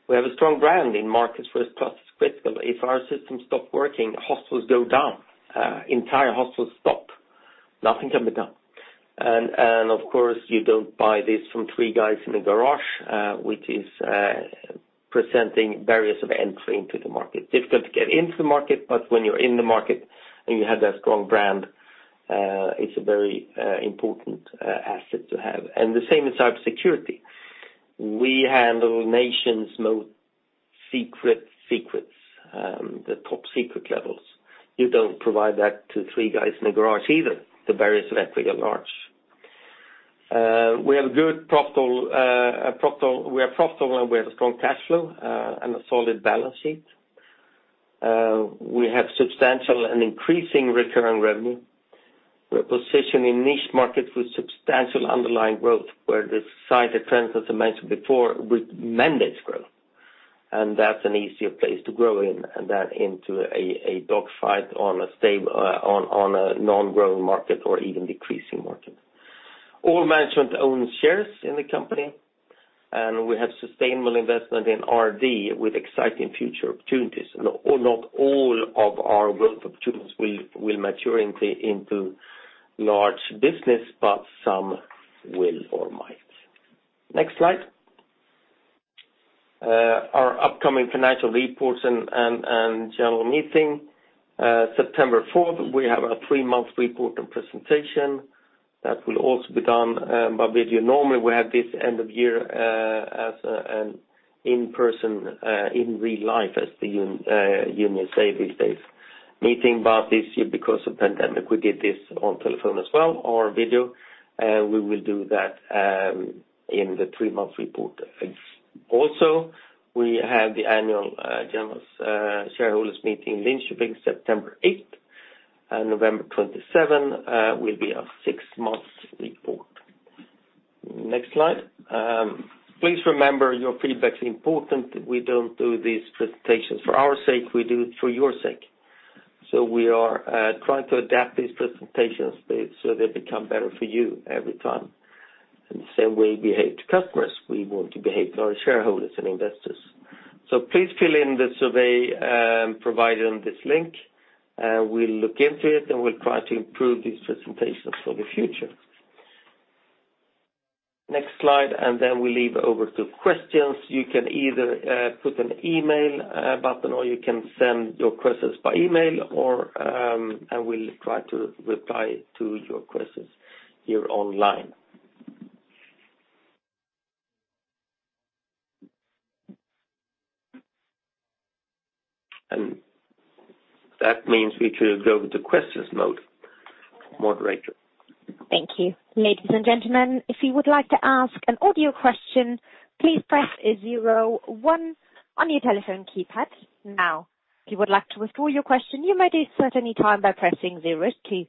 We have a strong brand in markets where its, [INAUDIBLE] If our systems stop working, hospitals go down. Entire hospitals stop. Nothing can be done. And of course, you don't buy this from three guys in a garage, which is presenting barriers of entry into the market. It's difficult to get into the market, but when you're in the market and you have that strong brand, it's a very important asset to have. And the same in cybersecurity. We handle nation's most secret secrets, the top secret levels. You don't provide that to three guys in a garage either. The barriers of entry are large. We are profitable, and we have a strong cash flow and a solid balance sheet. We have substantial and increasing recurring revenue. We're positioned in niche markets with substantial underlying growth, where the cybersecurity, I mentioned before, with market's growth. And that's an easier place to grow in than into a dogfight on a non-growing market or even decreasing market. All management owns shares in the company, and we have sustainable investment in R&D with exciting future opportunities. Not all of our growth opportunities will mature into large business, but some will or might. Next slide. Our upcoming financial reports and general meeting, September 4th, we have a three-month report and presentation that will also be done by video. Normally, we have this end of year as an in-person, in real life, as the unions say these days. Meeting about this year because of pandemic. We did this on telephone as well or video, and we will do that in the three-month report. Also, we have the Annual General Shareholders' Meeting in Linköping, September 8th. November 27 will be our six-month report. Next slide. Please remember your feedback is important. We don't do these presentations for our sake. We do it for your sake. So we are trying to adapt these presentations so they become better for you every time. And the same way we behave to customers, we want to behave to our shareholders and investors. So please fill in the survey provided in this link, and we'll look into it, and we'll try to improve these presentations for the future. Next slide, and then we'll leave it over to questions. You can either put an email button, or you can send your questions by email, and we'll try to reply to your questions here online. And that means we should go into questions mode, moderator. Thank you. Ladies and gentlemen, if you would like to ask an audio question, please press 01 on your telephone keypad. Now, if you would like to withdraw your question, you may do so at any time by pressing 02.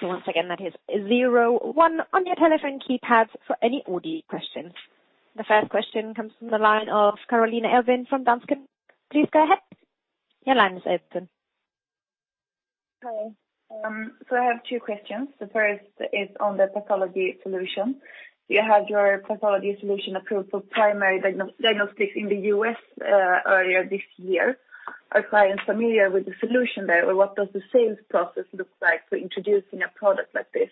So once again, that is 01 on your telephone keypad for any audio questions. The first question comes from the line of Carolina Elvind from Danske Bank. Please go ahead. Your line is open. Hi. So I have two questions. The first is on the pathology solution. Do you have your pathology solution approved for primary diagnostics in the U.S. earlier this year? Are clients familiar with the solution there, or what does the sales process look like for introducing a product like this?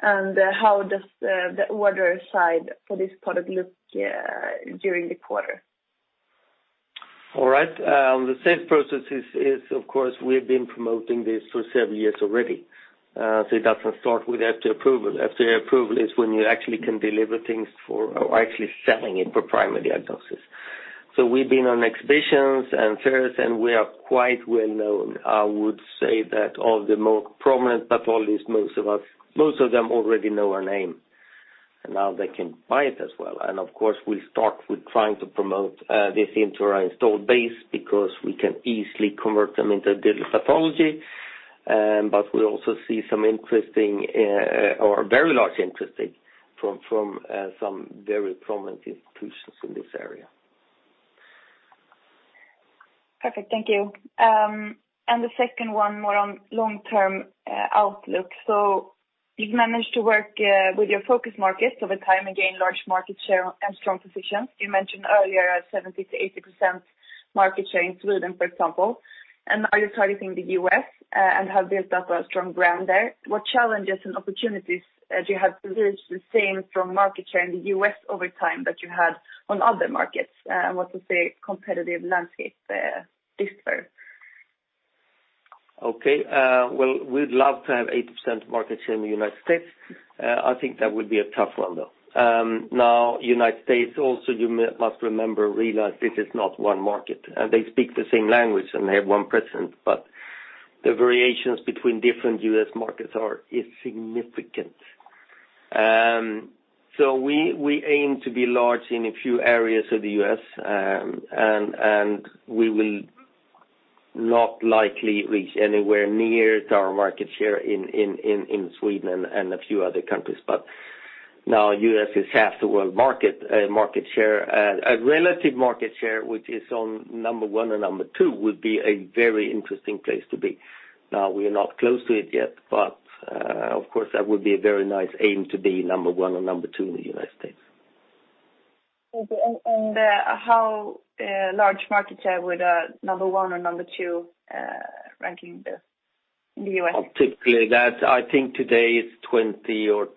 And how does the order side for this product look during the quarter? All right. The sales process is, of course, we've been promoting this for several years already. So it doesn't start with FDA approval. FDA approval is when you actually can deliver things for or actually selling it for primary diagnosis. So we've been on exhibitions and fairs, and we are quite well known. I would say that all the more prominent pathologists, most of us, most of them already know our name, and now they can buy it as well. And of course, we'll start with trying to promote this into our installed base because we can easily convert them into a digital pathology. But we also see some interesting or very large interest from some very prominent institutions in this area. Perfect. Thank you. And the second one, more on long-term outlook. So you've managed to work with your focus markets over time and gain large market share and strong positions. You mentioned earlier a 70%-80% market share in Sweden, for example. And now you're targeting the U.S. and have built up a strong brand there. What challenges and opportunities do you have to reach the same strong market share in the U.S. over time that you had on other markets? What does the competitive landscape differ? Okay. Well, we'd love to have 80% market share in the United States. I think that would be a tough one, though. Now, United States, also, you must remember, realize this is not one market. They speak the same language and they have one president, but the variations between different U.S. markets are significant. So we aim to be large in a few areas of the U.S., and we will not likely reach anywhere near our market share in Sweden and a few other countries. But now, U.S. is half the world market share. A relative market share, which is on number one and number two, would be a very interesting place to be. Now, we are not close to it yet, but of course, that would be a very nice aim to be number one or number two in the United States. Thank you, and how large market share would number one or number two ranking be in the US? Typically, I think today it's 20% or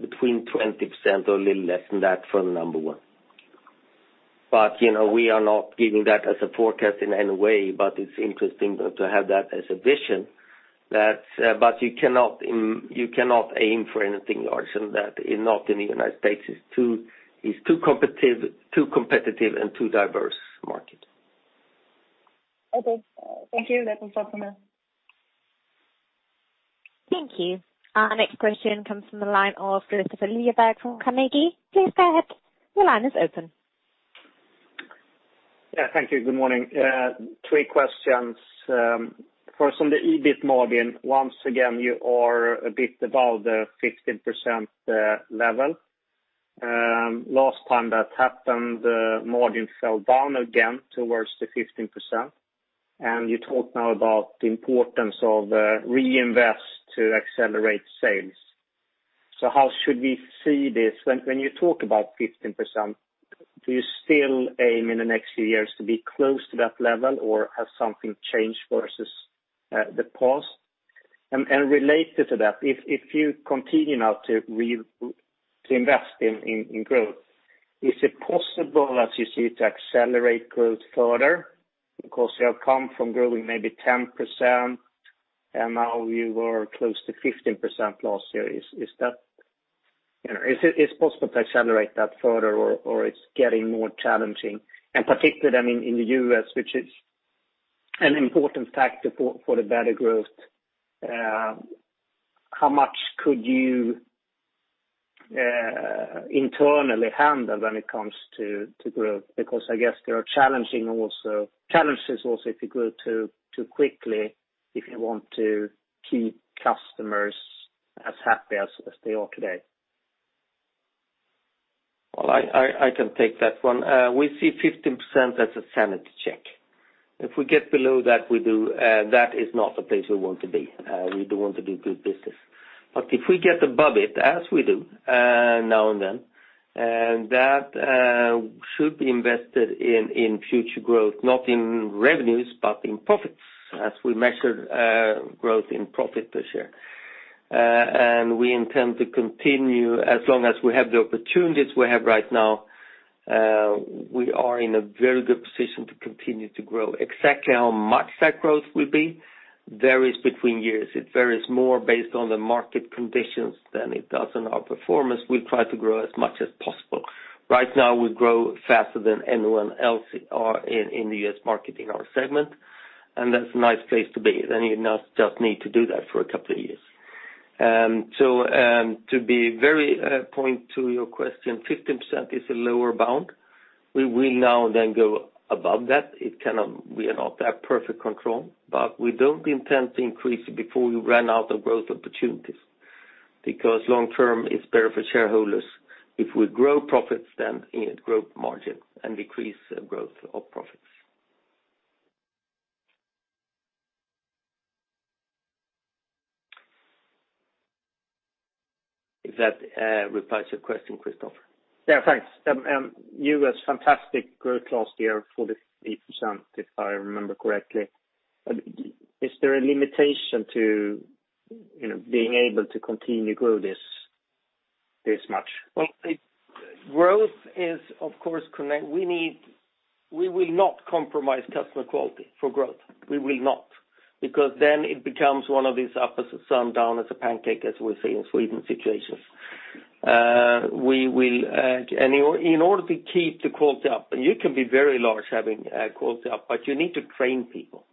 between 20% or a little less than that for number one, but we are not giving that as a forecast in any way, but it's interesting to have that as a vision, but you cannot aim for anything large in that, not in the United States. It's too competitive and too diverse market. Okay. Thank you. That was all from us. Thank you. Our next question comes from the line of Kristofer Liljeberg from Carnegie. Please go ahead. Your line is open. Yeah. Thank you. Good morning. Three questions. First, on the EBIT margin, once again, you are a bit above the 15% level. Last time that happened, margin fell down again towards the 15%. And you talked now about the importance of reinvest to accelerate sales. So how should we see this? When you talk about 15%, do you still aim in the next few years to be close to that level, or has something changed versus the past? And related to that, if you continue now to invest in growth, is it possible, as you see, to accelerate growth further? Because you have come from growing maybe 10%, and now you are close to 15% last year. Is that possible to accelerate that further, or it's getting more challenging? And particularly, I mean, in the U.S., which is an important factor for the better growth, how much could you internally handle when it comes to growth? Because I guess there are challenges also if you grow too quickly, if you want to keep customers as happy as they are today. Well, I can take that one. We see 15% as a sanity check. If we get below that, we do, that is not a place we want to be. We do want to do good business, but if we get above it, as we do now and then, that should be invested in future growth, not in revenues, but in profits, as we measure growth in profit per share, and we intend to continue as long as we have the opportunities we have right now. We are in a very good position to continue to grow. Exactly how much that growth will be varies between years. It varies more based on the market conditions than it does on our performance. We'll try to grow as much as possible. Right now, we grow faster than anyone else in the U.S. market in our segment. And that's a nice place to be. Then you just need to do that for a couple of years. So, to be very to the point of your question, 15% is a lower bound. We will now then go above that. We are not at perfect control, but we don't intend to increase it before we run out of growth opportunities. Because long-term, it's better for shareholders. If we grow profits, then it grows margin and decreases the growth of profits. If that applies to your question, Kristofer. Yeah. Thanks. You had fantastic growth last year of 80%, if I remember correctly. Is there a limitation to being able to continue to grow this much? Well, growth is, of course, connected. We will not compromise customer quality for growth. We will not. Because then it becomes one of these up as a sun, down as a pancake, as we say in Sweden situations. In order to keep the quality up, and you can be very large having quality up, but you need to train people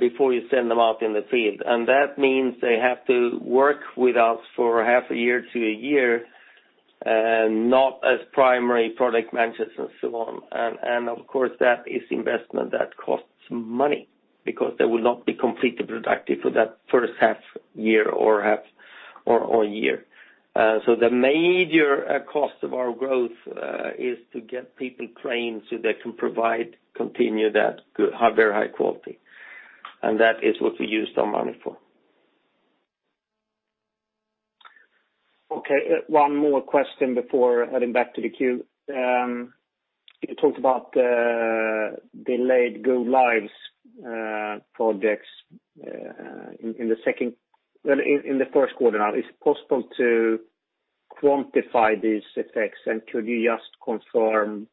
before you send them out in the field. And that means they have to work with us for half a year to a year, not as primary product managers and so on. And of course, that is investment that costs money because they will not be completely productive for that first half year or year. So the major cost of our growth is to get people trained so they can continue to provide that very high quality. And that is what we use our money for. Okay. One more question before heading back to the queue. You talked about delayed go-lives projects in the second in the first quarter now. Is it possible to quantify these effects? And could you just confirm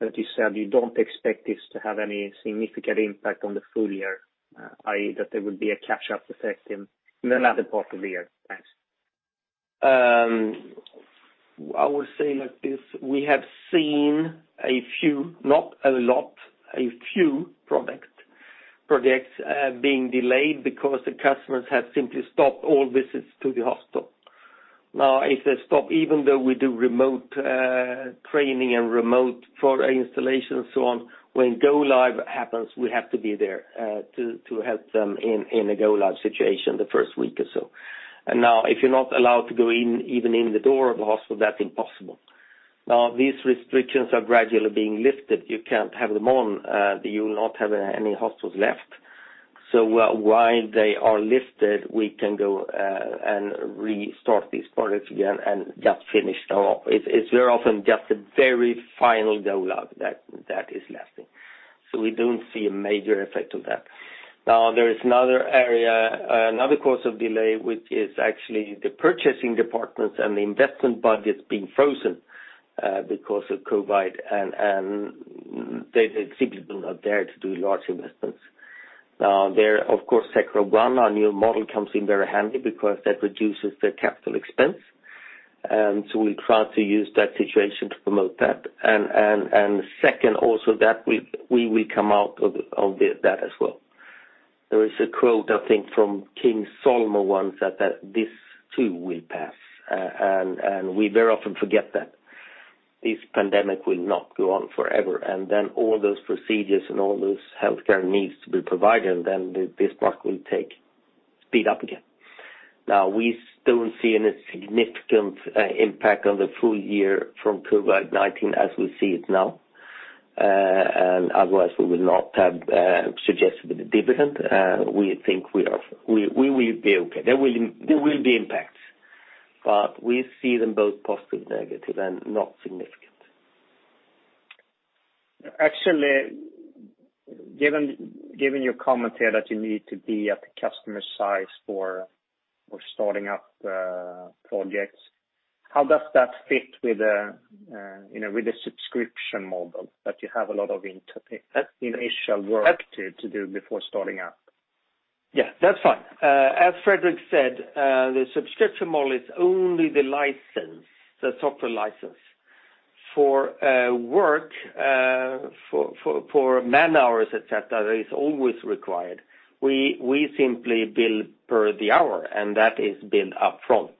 that you said you don't expect this to have any significant impact on the full year, i.e., that there would be a catch-up effect in the latter part of the year? Thanks. I would say like this. We have seen a few, not a lot, a few products being delayed because the customers have simply stopped all visits to the hospital. Now, if they stop, even though we do remote training and remote installation and so on, when go-live happens, we have to be there to help them in a go-live situation the first week or so. And now, if you're not allowed to go even in the door of the hospital, that's impossible. Now, these restrictions are gradually being lifted. You can't have them on. You will not have any hospitals left, so while they are lifted, we can go and restart these products again and just finish them off. It's very often just a very final go-live that is lasting, so we don't see a major effect of that. Now, there is another area, another cause of delay, which is actually the purchasing departments and the investment budgets being frozen because of COVID, and they simply do not dare to do large investments. Now, there, of course, Sectra One, a new model comes in very handy because that reduces the capital expense, and so we try to use that situation to promote that and, second, also that we will come out of that as well. There is a quote, I think, from King Solomon once said that this too will pass. We very often forget that this pandemic will not go on forever. Then all those procedures and all those healthcare needs to be provided, and then this market will speed up again. Now, we don't see any significant impact on the full year from COVID-19 as we see it now. Otherwise, we will not have suggested a dividend. We think we will be okay. There will be impacts, but we see them both positive, negative, and not significant. Actually, given your comment here that you need to be at the customer site for starting up projects, how does that fit with the subscription model that you have a lot of initial work to do before starting up? Yeah. That's fine. As Fredrik said, the subscription model is only the license, the software license. For work, for man-hours, etc., that is always required, we simply bill per the hour, and that is billed upfront,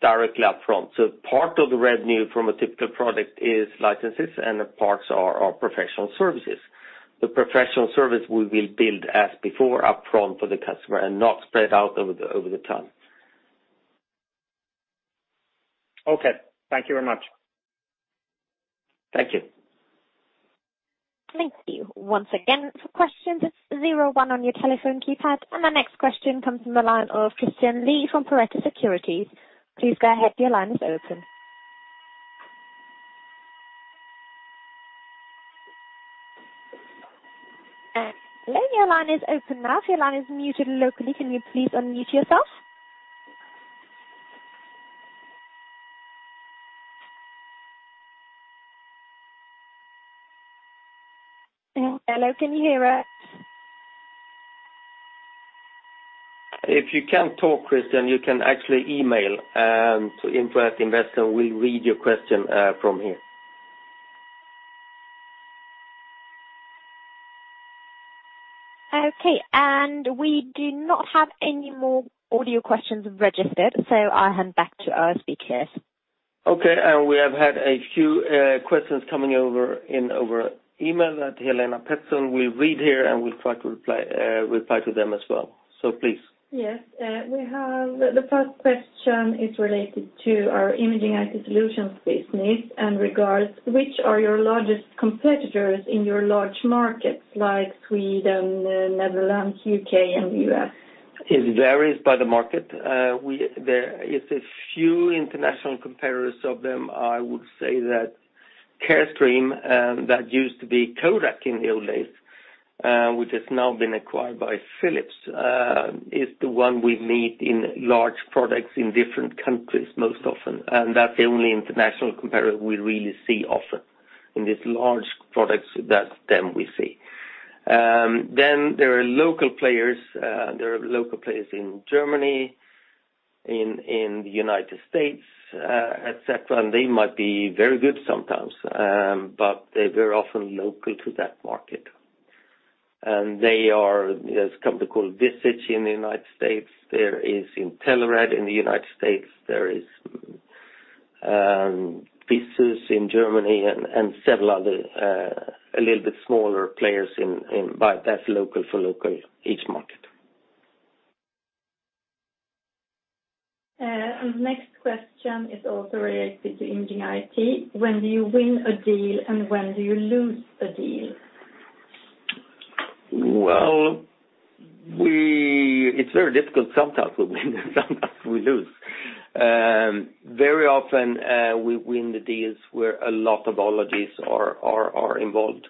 directly upfront. So part of the revenue from a typical product is licenses, and parts are professional services. The professional service we will bill as before upfront for the customer and not spread out over the time. Okay. Thank you very much. Thank you. Thank you. Once again, for questions, it's 01 on your telephone keypad. And the next question comes from the line of Christian Lee from Pareto Securities. Please go ahead. Your line is open. Hello. Your line is open now. If your line is muted locally, can you please unmute yourself? Hello. Can you hear us? If you can't talk, Christian, you can actually email to Investor Relations. We'll read your question from here. Okay. We do not have any more audio questions registered, so I'll hand back to our speakers. Okay. We have had a few questions coming over in our email that Helena Pettersson will read here, and we'll try to reply to them as well. Please. Yes. The first question is related to our imaging IT solutions business and regards which are your largest competitors in your large markets like Sweden, Netherlands, U.K., and the U.S.? It varies by the market. There is a few international competitors of them. I would say that Carestream, that used to be Kodak in the old days, which has now been acquired by Philips, is the one we meet in large products in different countries most often. That's the only international competitor we really see often in these large products that we see. There are local players. There are local players in Germany, in the United States, etc., and they might be very good sometimes, but they're very often local to that market, and there's a company called Visage in the United States. There is Intelerad in the United States. There is VISUS in Germany and several other a little bit smaller players by local for local each market. The next question is also related to imaging IT. When do you win a deal, and when do you lose a deal? Well, it's very difficult. Sometimes we win, and sometimes we lose. Very often, we win the deals where a lot of our logistics are involved,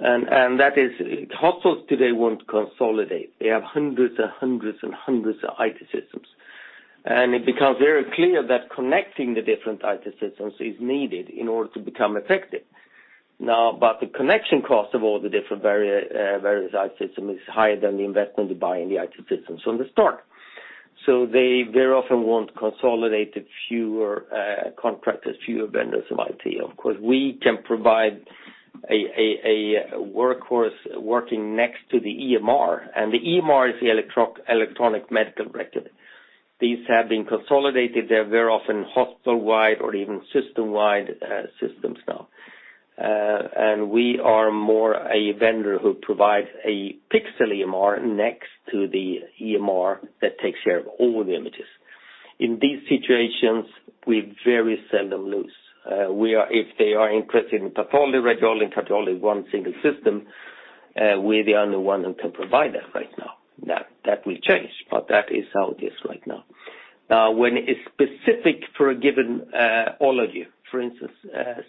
and that is, hospitals today won't consolidate. They have hundreds and hundreds and hundreds of IT systems, and it becomes very clear that connecting the different IT systems is needed in order to become effective. Now, but the connection cost of all the different various IT systems is higher than the investment to buy in the IT systems from the start. So they very often want consolidated fewer contractors, fewer vendors of IT. Of course, we can provide a workhorse working next to the EMR. And the EMR is the electronic medical record. These have been consolidated. They're very often hospital-wide or even system-wide systems now. And we are more a vendor who provides a PACS next to the EMR that takes care of all the images. In these situations, we very seldom lose. If they are interested in pathology radiology and cardiology one single system, we're the only one who can provide that right now. That will change, but that is how it is right now. Now, when it is specific for a given ology, for instance,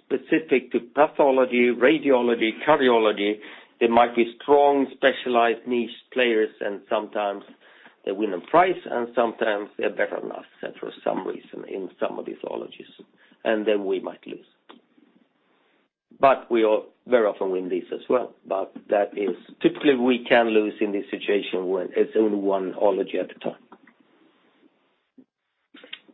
specific to pathology, radiology, cardiology, there might be strong specialized niche players, and sometimes they win a prize, and sometimes they're better than us for some reason in some of these ologies. And then we might lose. But we very often win these as well. But that is typically we can lose in this situation when it's only one ology at a time.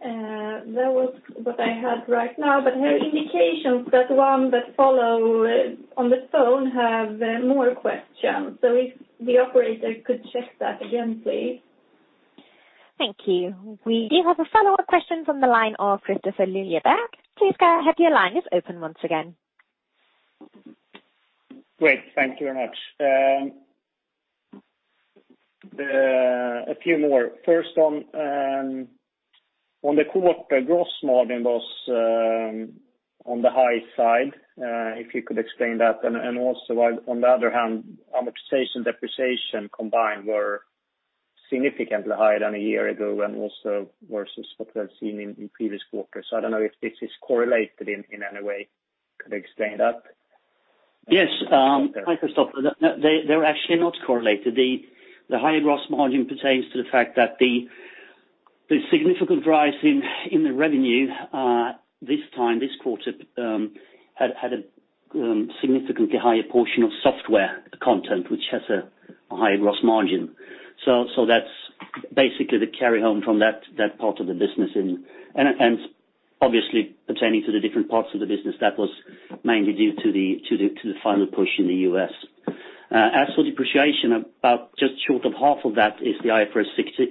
That was what I had right now. But we have indications that one on the phone has more questions. So if the operator could check that again, please. Thank you. We do have a follow-up question from the line of Kristofer Liljeberg. Please go ahead. Your line is open once again. Great. Thank you very much. A few more. First, on the quarter, gross margin was on the high side, if you could explain that? And also, on the other hand, amortization and depreciation combined were significantly higher than a year ago and also versus what we've seen in previous quarters. So I don't know if this is correlated in any way. Could you explain that? Yes. Hi, Kristofer. They were actually not correlated. The higher gross margin pertains to the fact that the significant rise in the revenue this time, this quarter, had a significantly higher portion of software content, which has a higher gross margin. So that's basically the carry-on from that part of the business. And obviously, pertaining to the different parts of the business, that was mainly due to the final push in the U.S. As for depreciation, about just short of half of that is the IFRS 16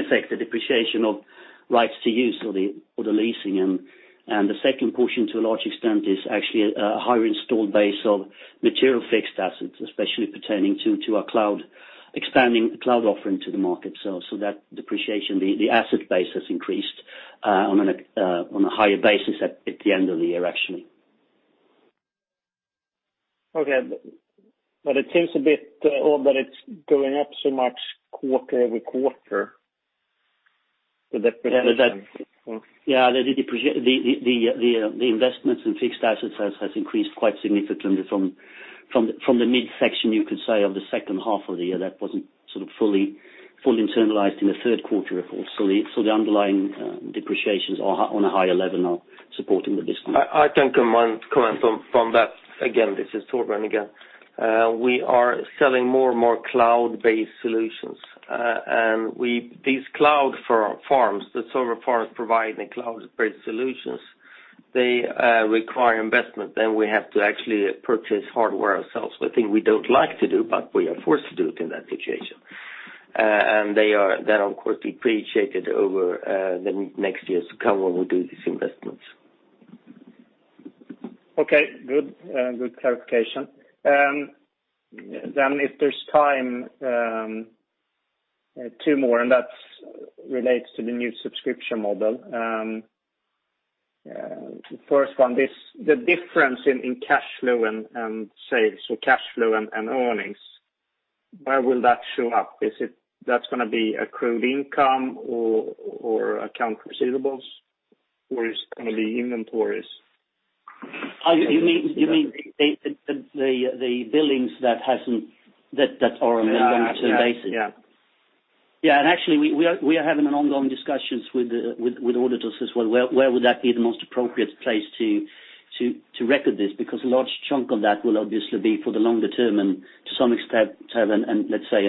effect, the depreciation of rights to use or the leasing. The second portion, to a large extent, is actually a higher installed base of tangible fixed assets, especially pertaining to our expanding cloud offering to the market. So that depreciation, the asset base has increased on a higher basis at the end of the year, actually. Okay. But it seems a bit odd that it's going up so much quarter over quarter. [INAUDIBLE] Yeah. The investments in fixed assets has increased quite significantly from the mid-section, you could say, of the second half of the year. That wasn't sort of fully internalized in the third quarter, of course. So the underlying depreciations are on a higher level now supporting the business. I can comment from that. Again, this is Torbjörn again. We are selling more and more cloud-based solutions. And these cloud farms, the server farms providing cloud-based solutions, they require investment. Then we have to actually purchase hardware ourselves, which I think we don't like to do, but we are forced to do it in that situation. And they are then, of course, depreciated over the next years to come when we do these investments. Okay. Good clarification. Then, if there's time, two more, and that relates to the new subscription model. The first one is the difference in cash flow and sales. So cash flow and earnings. Where will that show up? Is that going to be accrued income or accounts receivable, or is it going to be inventories? You mean the billings that are on a long-term basis? Yeah. Yeah. And actually, we are having ongoing discussions with auditors as well. Where would that be the most appropriate place to record this? Because a large chunk of that will obviously be for the longer term and, to some extent, have, let's say,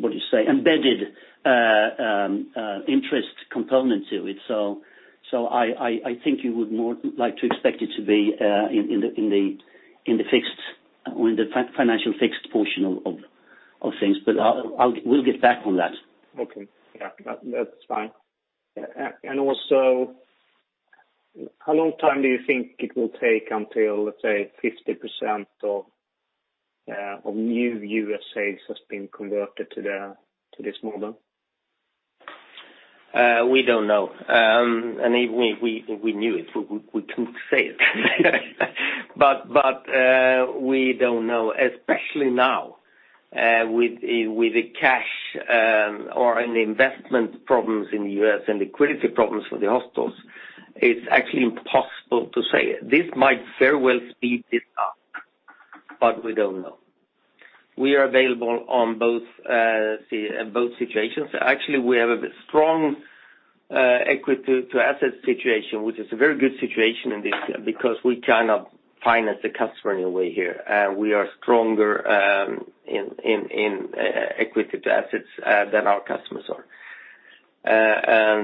what do you say, embedded interest component to it. So I think you would more like to expect it to be in the fixed or in the financial fixed portion of things. But we'll get back on that. Okay. Yeah. That's fine. And also, how long time do you think it will take until, let's say, 50% of new U.S. sales has been converted to this model? We don't know. And we knew it. We couldn't say it. But we don't know, especially now with the cash or the investment problems in the U.S. and liquidity problems for the hospitals. It's actually impossible to say. This might very well speed this up, but we don't know. We are available on both situations. Actually, we have a strong equity-to-assets situation, which is a very good situation this year because we kind of finance the customer in a way here, and we are stronger in equity-to-assets than our customers are,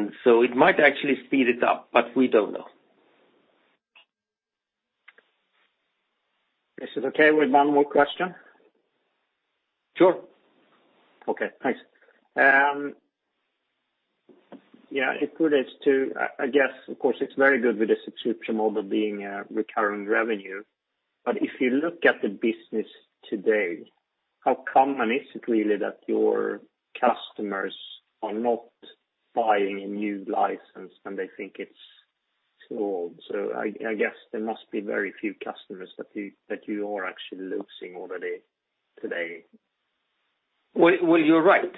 and so it might actually speed it up, but we don't know. This is okay with one more question? Sure. Okay. Thanks. Yeah. I guess, of course, it's very good with the subscription model being recurring revenue, but if you look at the business today, how common is it really that your customers are not buying a new license when they think it's too old? So I guess there must be very few customers that you are actually losing already today. Well, you're right.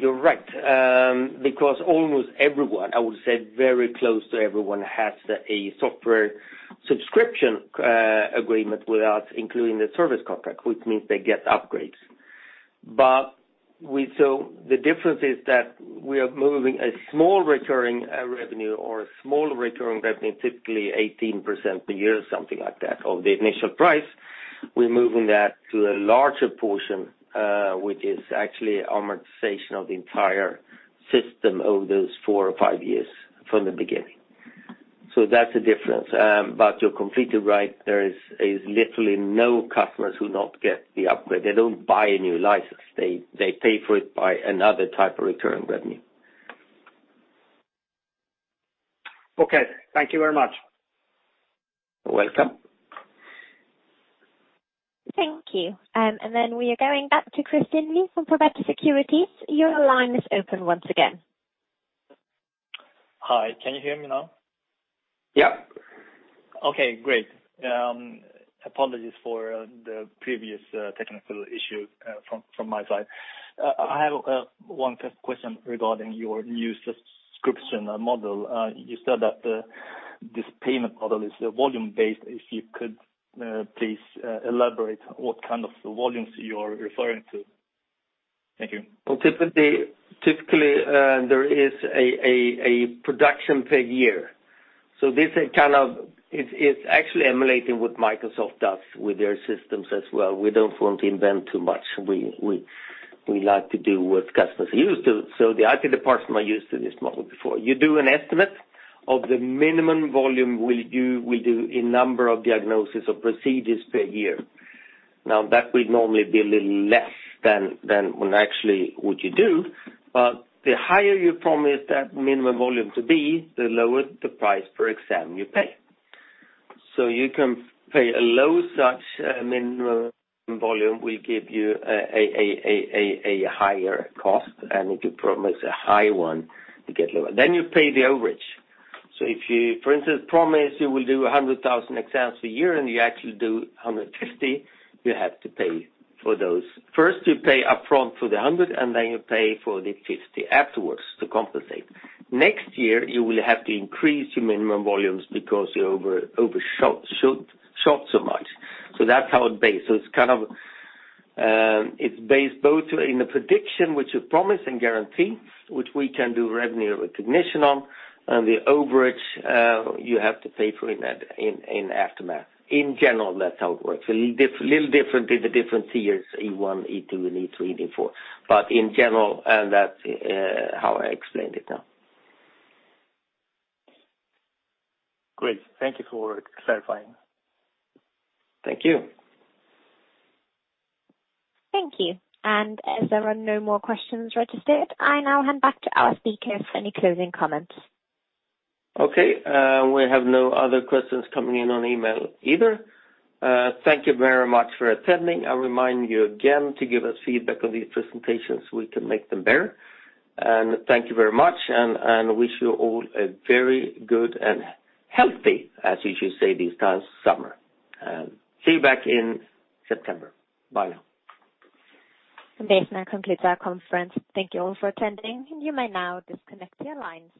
You're right. Because almost everyone, I would say very close to everyone, has a software subscription agreement with us, including the service contract, which means they get upgrades. But the difference is that we are moving a small recurring revenue, typically 18% per year, something like that, of the initial price. We're moving that to a larger portion, which is actually amortization of the entire system over those four or five years from the beginning. So that's a difference. But you're completely right. There is literally no customers who don't get the upgrade. They don't buy a new license. They pay for it by another type of recurring revenue. Okay. Thank you very much. You're welcome. Thank you. And then we are going back to Christian Lee from Pareto Securities. Your line is open once again. Hi. Can you hear me now? Yeah. Okay. Great. Apologies for the previous technical issue from my side. I have one question regarding your new subscription model. You said that this payment mod el is volume-based. If you could please elaborate what kind of volumes you are referring to? Thank you. Well, typically, there is a production per year. So this kind of is actually emulating what Microsoft does with their systems as well. We don't want to invent too much. We like to do what customers are used to. So the IT department are used to this model before. You do an estimate of the minimum volume we'll do in number of diagnoses or procedures per year. Now, that will normally be a little less than actually what you do. But the higher you promise that minimum volume to be, the lower the price per exam you pay. So you can pay a low such minimum volume will give you a higher cost. And if you promise a high one, you get lower. Then you pay the overage. So if you, for instance, promise you will do 100,000 exams per year and you actually do 150, you have to pay for those. First, you pay upfront for the 100, and then you pay for the 50 afterwards to compensate. Next year, you will have to increase your minimum volumes because you overshot so much. So that's how it's based. So it's kind of based both in the prediction, which you promise and guarantee, which we can do revenue recognition on. And the overage, you have to pay for in aftermath. In general, that's how it works. A little different in the different tiers, E1, E2, E3, and E4. But in general, that's how I explained it now. Great. Thank you for clarifying. Thank you. Thank you. And as there are no more questions registered, I now hand back to our speakers for any closing comments. Okay. We have no other questions coming in on email either. Thank you very much for attending. I remind you again to give us feedback on these presentations. We can make them better. And thank you very much. And I wish you all a very good and healthy, as you should say, this time of summer. See you back in September. Bye now. This now concludes our conference. Thank you all for attending. You may now disconnect your lines.